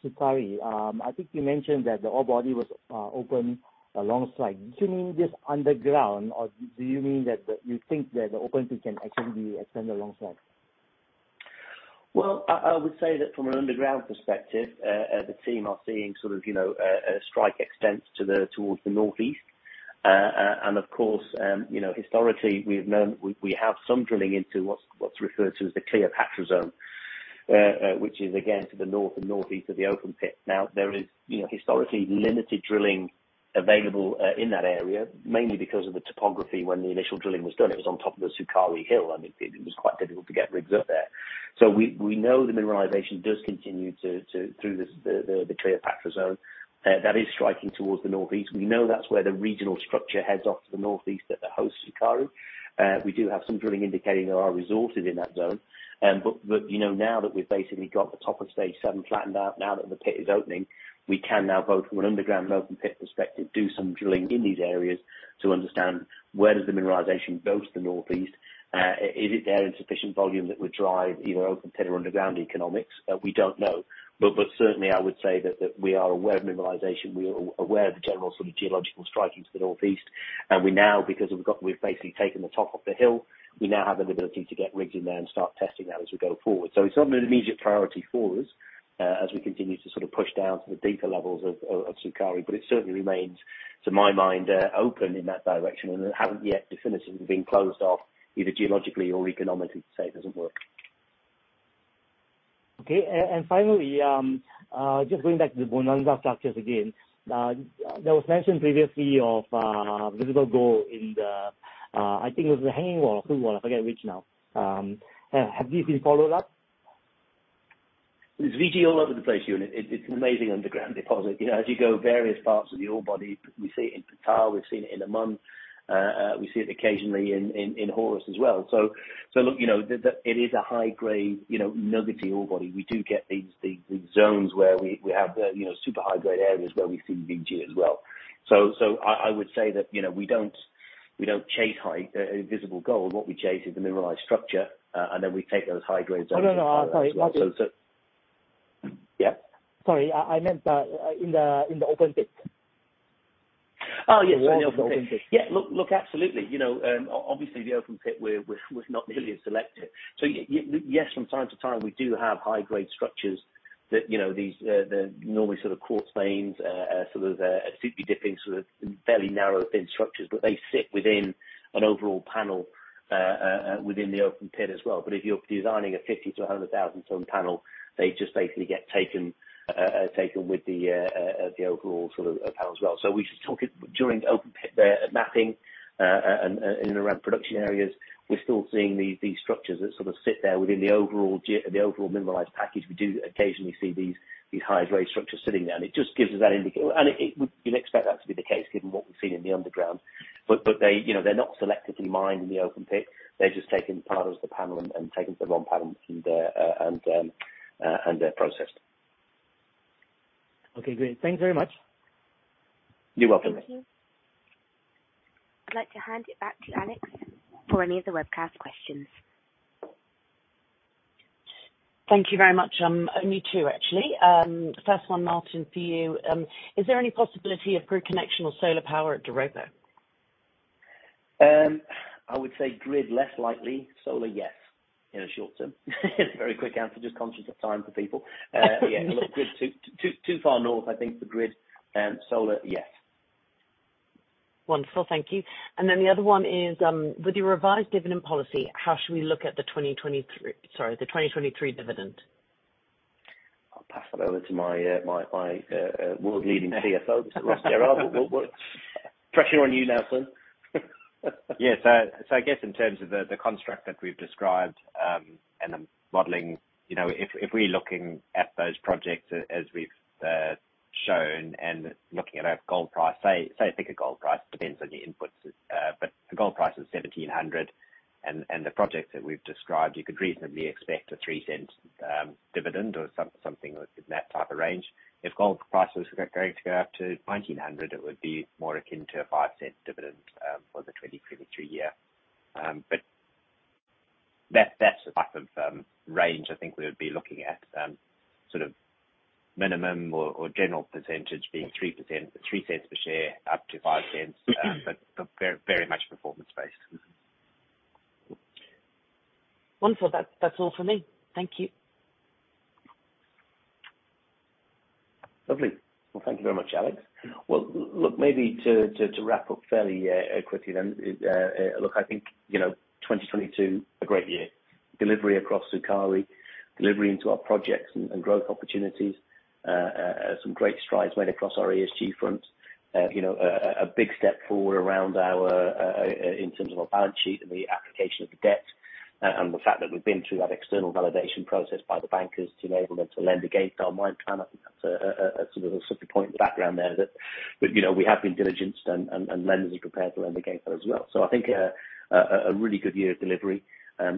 Speaker 6: Sukari. I think you mentioned that the ore body was open alongside. Do you mean just underground, or do you mean that you think that the open pit can actually be extended alongside?
Speaker 2: I would say that from an underground perspective, the team are seeing sort of, you know, a strike extent towards the northeast. Of course, you know, historically we have some drilling into what's referred to as the Cleopatra zone, which is again to the north and northeast of the open pit. There is, you know, historically limited drilling available in that area, mainly because of the topography. When the initial drilling was done, it was on top of the Sukari Hill, and it was quite difficult to get rigs up there. We know the mineralization does continue through the Cleopatra zone that is striking towards the northeast. We know that's where the regional structure heads off to the northeast that hosts Sukari. We do have some drilling indicating there are resources in that zone. You know, now that we've basically got the top of stage seven flattened out, now that the pit is opening, we can now go from an underground and open pit perspective, do some drilling in these areas to understand where does the mineralization go to the northeast? Is it there in sufficient volume that would drive either open pit or underground economics? We don't know. Certainly I would say that, we are aware of mineralization. We are aware of the general sort of geological strike into the northeast. We now, because we've basically taken the top off the hill, we now have the ability to get rigs in there and start testing that as we go forward. It's not an immediate priority for us, as we continue to sort of push down to the deeper levels of Sukari, but it certainly remains, to my mind, open in that direction and it hasn't yet definitively been closed off, either geologically or economically to say it doesn't work.
Speaker 6: Okay. Finally, just going back to the Bonanza structures again. That was mentioned previously of visible gold in the, I think it was the Hanging Wall or Foot Wall, I forget which now. Have these been followed up?
Speaker 2: There's VG all over the place, Yuen. It's an amazing underground deposit. You know, as you go various parts of the ore body, we see it in Ptah, we've seen it in Amun, we see it occasionally in Horus as well. Look, you know, it's a high-grade, you know, nuggety ore body. We do get these zones where we have the, you know, super high-grade areas where we see VG as well. I would say that, you know, we don't chase high visible gold. What we chase is the mineralized structure, and then we take those high grades.
Speaker 6: No, no. Sorry.
Speaker 2: So, so-
Speaker 6: Yeah. Sorry. I meant in the open pit.
Speaker 2: Oh, yes.
Speaker 6: The walls of the open pit.
Speaker 2: Yeah. Look, look, absolutely. You know, obviously the open pit we're not nearly as selective. Yes, from time to time, we do have high-grade structures that, you know, these normally sort of quartz veins, sort of steeply dipping sort of fairly narrow, thin structures. They sit within an overall panel within the open pit as well. If you're designing a 50 to 100,000 ton panel, they just basically get taken with the overall sort of panel as well. We still get. During open pit, the mapping, and in and around production areas, we're still seeing these structures that sort of sit there within the overall mineralized package. We do occasionally see these high-grade structures sitting there. It just gives us that. You'd expect that to be the case given what we've seen in the underground. They, you know, they're not selectively mined in the open pit. They're just taken as part of the panel and taken to the wrong panel and processed.
Speaker 6: Okay, great. Thank you very much.
Speaker 2: You're welcome.
Speaker 1: Thank you. I'd like to hand it back to Alex for any of the webcast questions.
Speaker 7: Thank you very much. Me too, actually. First one, Martin, for you. Is there any possibility of grid connection or solar power at Doropo?
Speaker 2: I would say grid less likely, solar, yes, in the short term. Very quick answer, just conscious of time for people. Yeah, look, grid too far north, I think, for grid. Solar, yes.
Speaker 7: Wonderful. Thank you. The other one is: With your revised dividend policy, how should we look at the 2023 dividend?
Speaker 2: I'll pass that over to my world-leading CFO, Mr. Ross Jerrard. What. Pressure on you now, son.
Speaker 3: Yes. I guess in terms of the construct that we've described, and the modeling, you know, if we're looking at those projects as we've. Shown looking at a gold price, pick a gold price, depends on your inputs. The gold price is $1,700. The projects that we've described, you could reasonably expect a $0.03 dividend or something within that type of range. If gold prices are going to go up to $1,900, it would be more akin to a $0.05 dividend for the 2023 year. That's the type of range I think we would be looking at, sort of minimum or general percentage being 3%, $0.03 per share up to $0.05, very, very much performance-based.
Speaker 7: Wonderful. That's all for me. Thank you.
Speaker 2: Lovely. Well, thank you very much, Alex. Well, look, maybe to wrap up fairly quickly then, look, I think, you know, 2022, a great year. Delivery across Sukari, delivery into our projects and growth opportunities. Some great strides made across our ESG front. You know, a big step forward around our in terms of our balance sheet and the application of the debt and the fact that we've been through that external validation process by the bankers to enable them to lend against our mine plan. I think that's a sort of a subtle point in the background there that, you know, we have been diligenced and lenders are prepared to lend against that as well. I think, a really good year of delivery.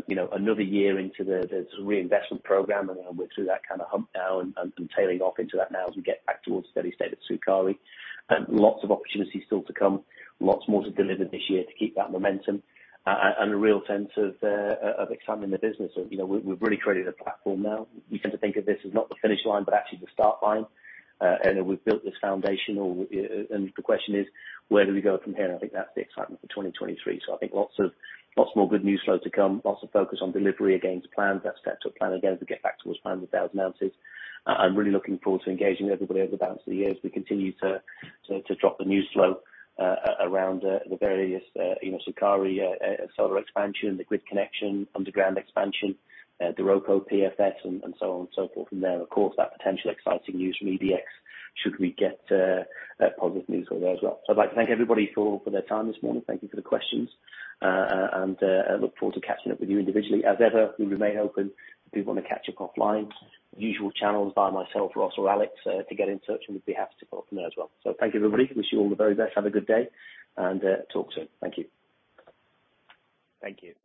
Speaker 2: You know, another year into the reinvestment program, we're through that kind of hump now and tailing off into that now as we get back towards steady state at Sukari. Lots of opportunities still to come. Lots more to deliver this year to keep that momentum. A real sense of expanding the business. You know, we've really created a platform now. We tend to think of this as not the finish line, but actually the start line. We've built this foundation or, the question is: where do we go from here? I think that's the excitement for 2023. I think lots more good news flow to come. Lots of focus on delivery against plan. That's set to a plan again, to get back towards planning 1,000 ounces. I'm really looking forward to engaging everybody over the balance of the year as we continue to drop the news flow around the various, you know, Sukari solar expansion, the grid connection, underground expansion, the Doropo PFS and so on and so forth from there. Of course, that potential exciting news from EDX should we get positive news from there as well. I'd like to thank everybody for their time this morning. Thank you for the questions. I look forward to catching up with you individually. As ever, we remain open if people wanna catch up offline. Usual channels via myself, Ross or Alex to get in touch, and we'd be happy to talk from there as well. Thank you, everybody. Wish you all the very best. Have a good day. Talk soon. Thank you.
Speaker 3: Thank you.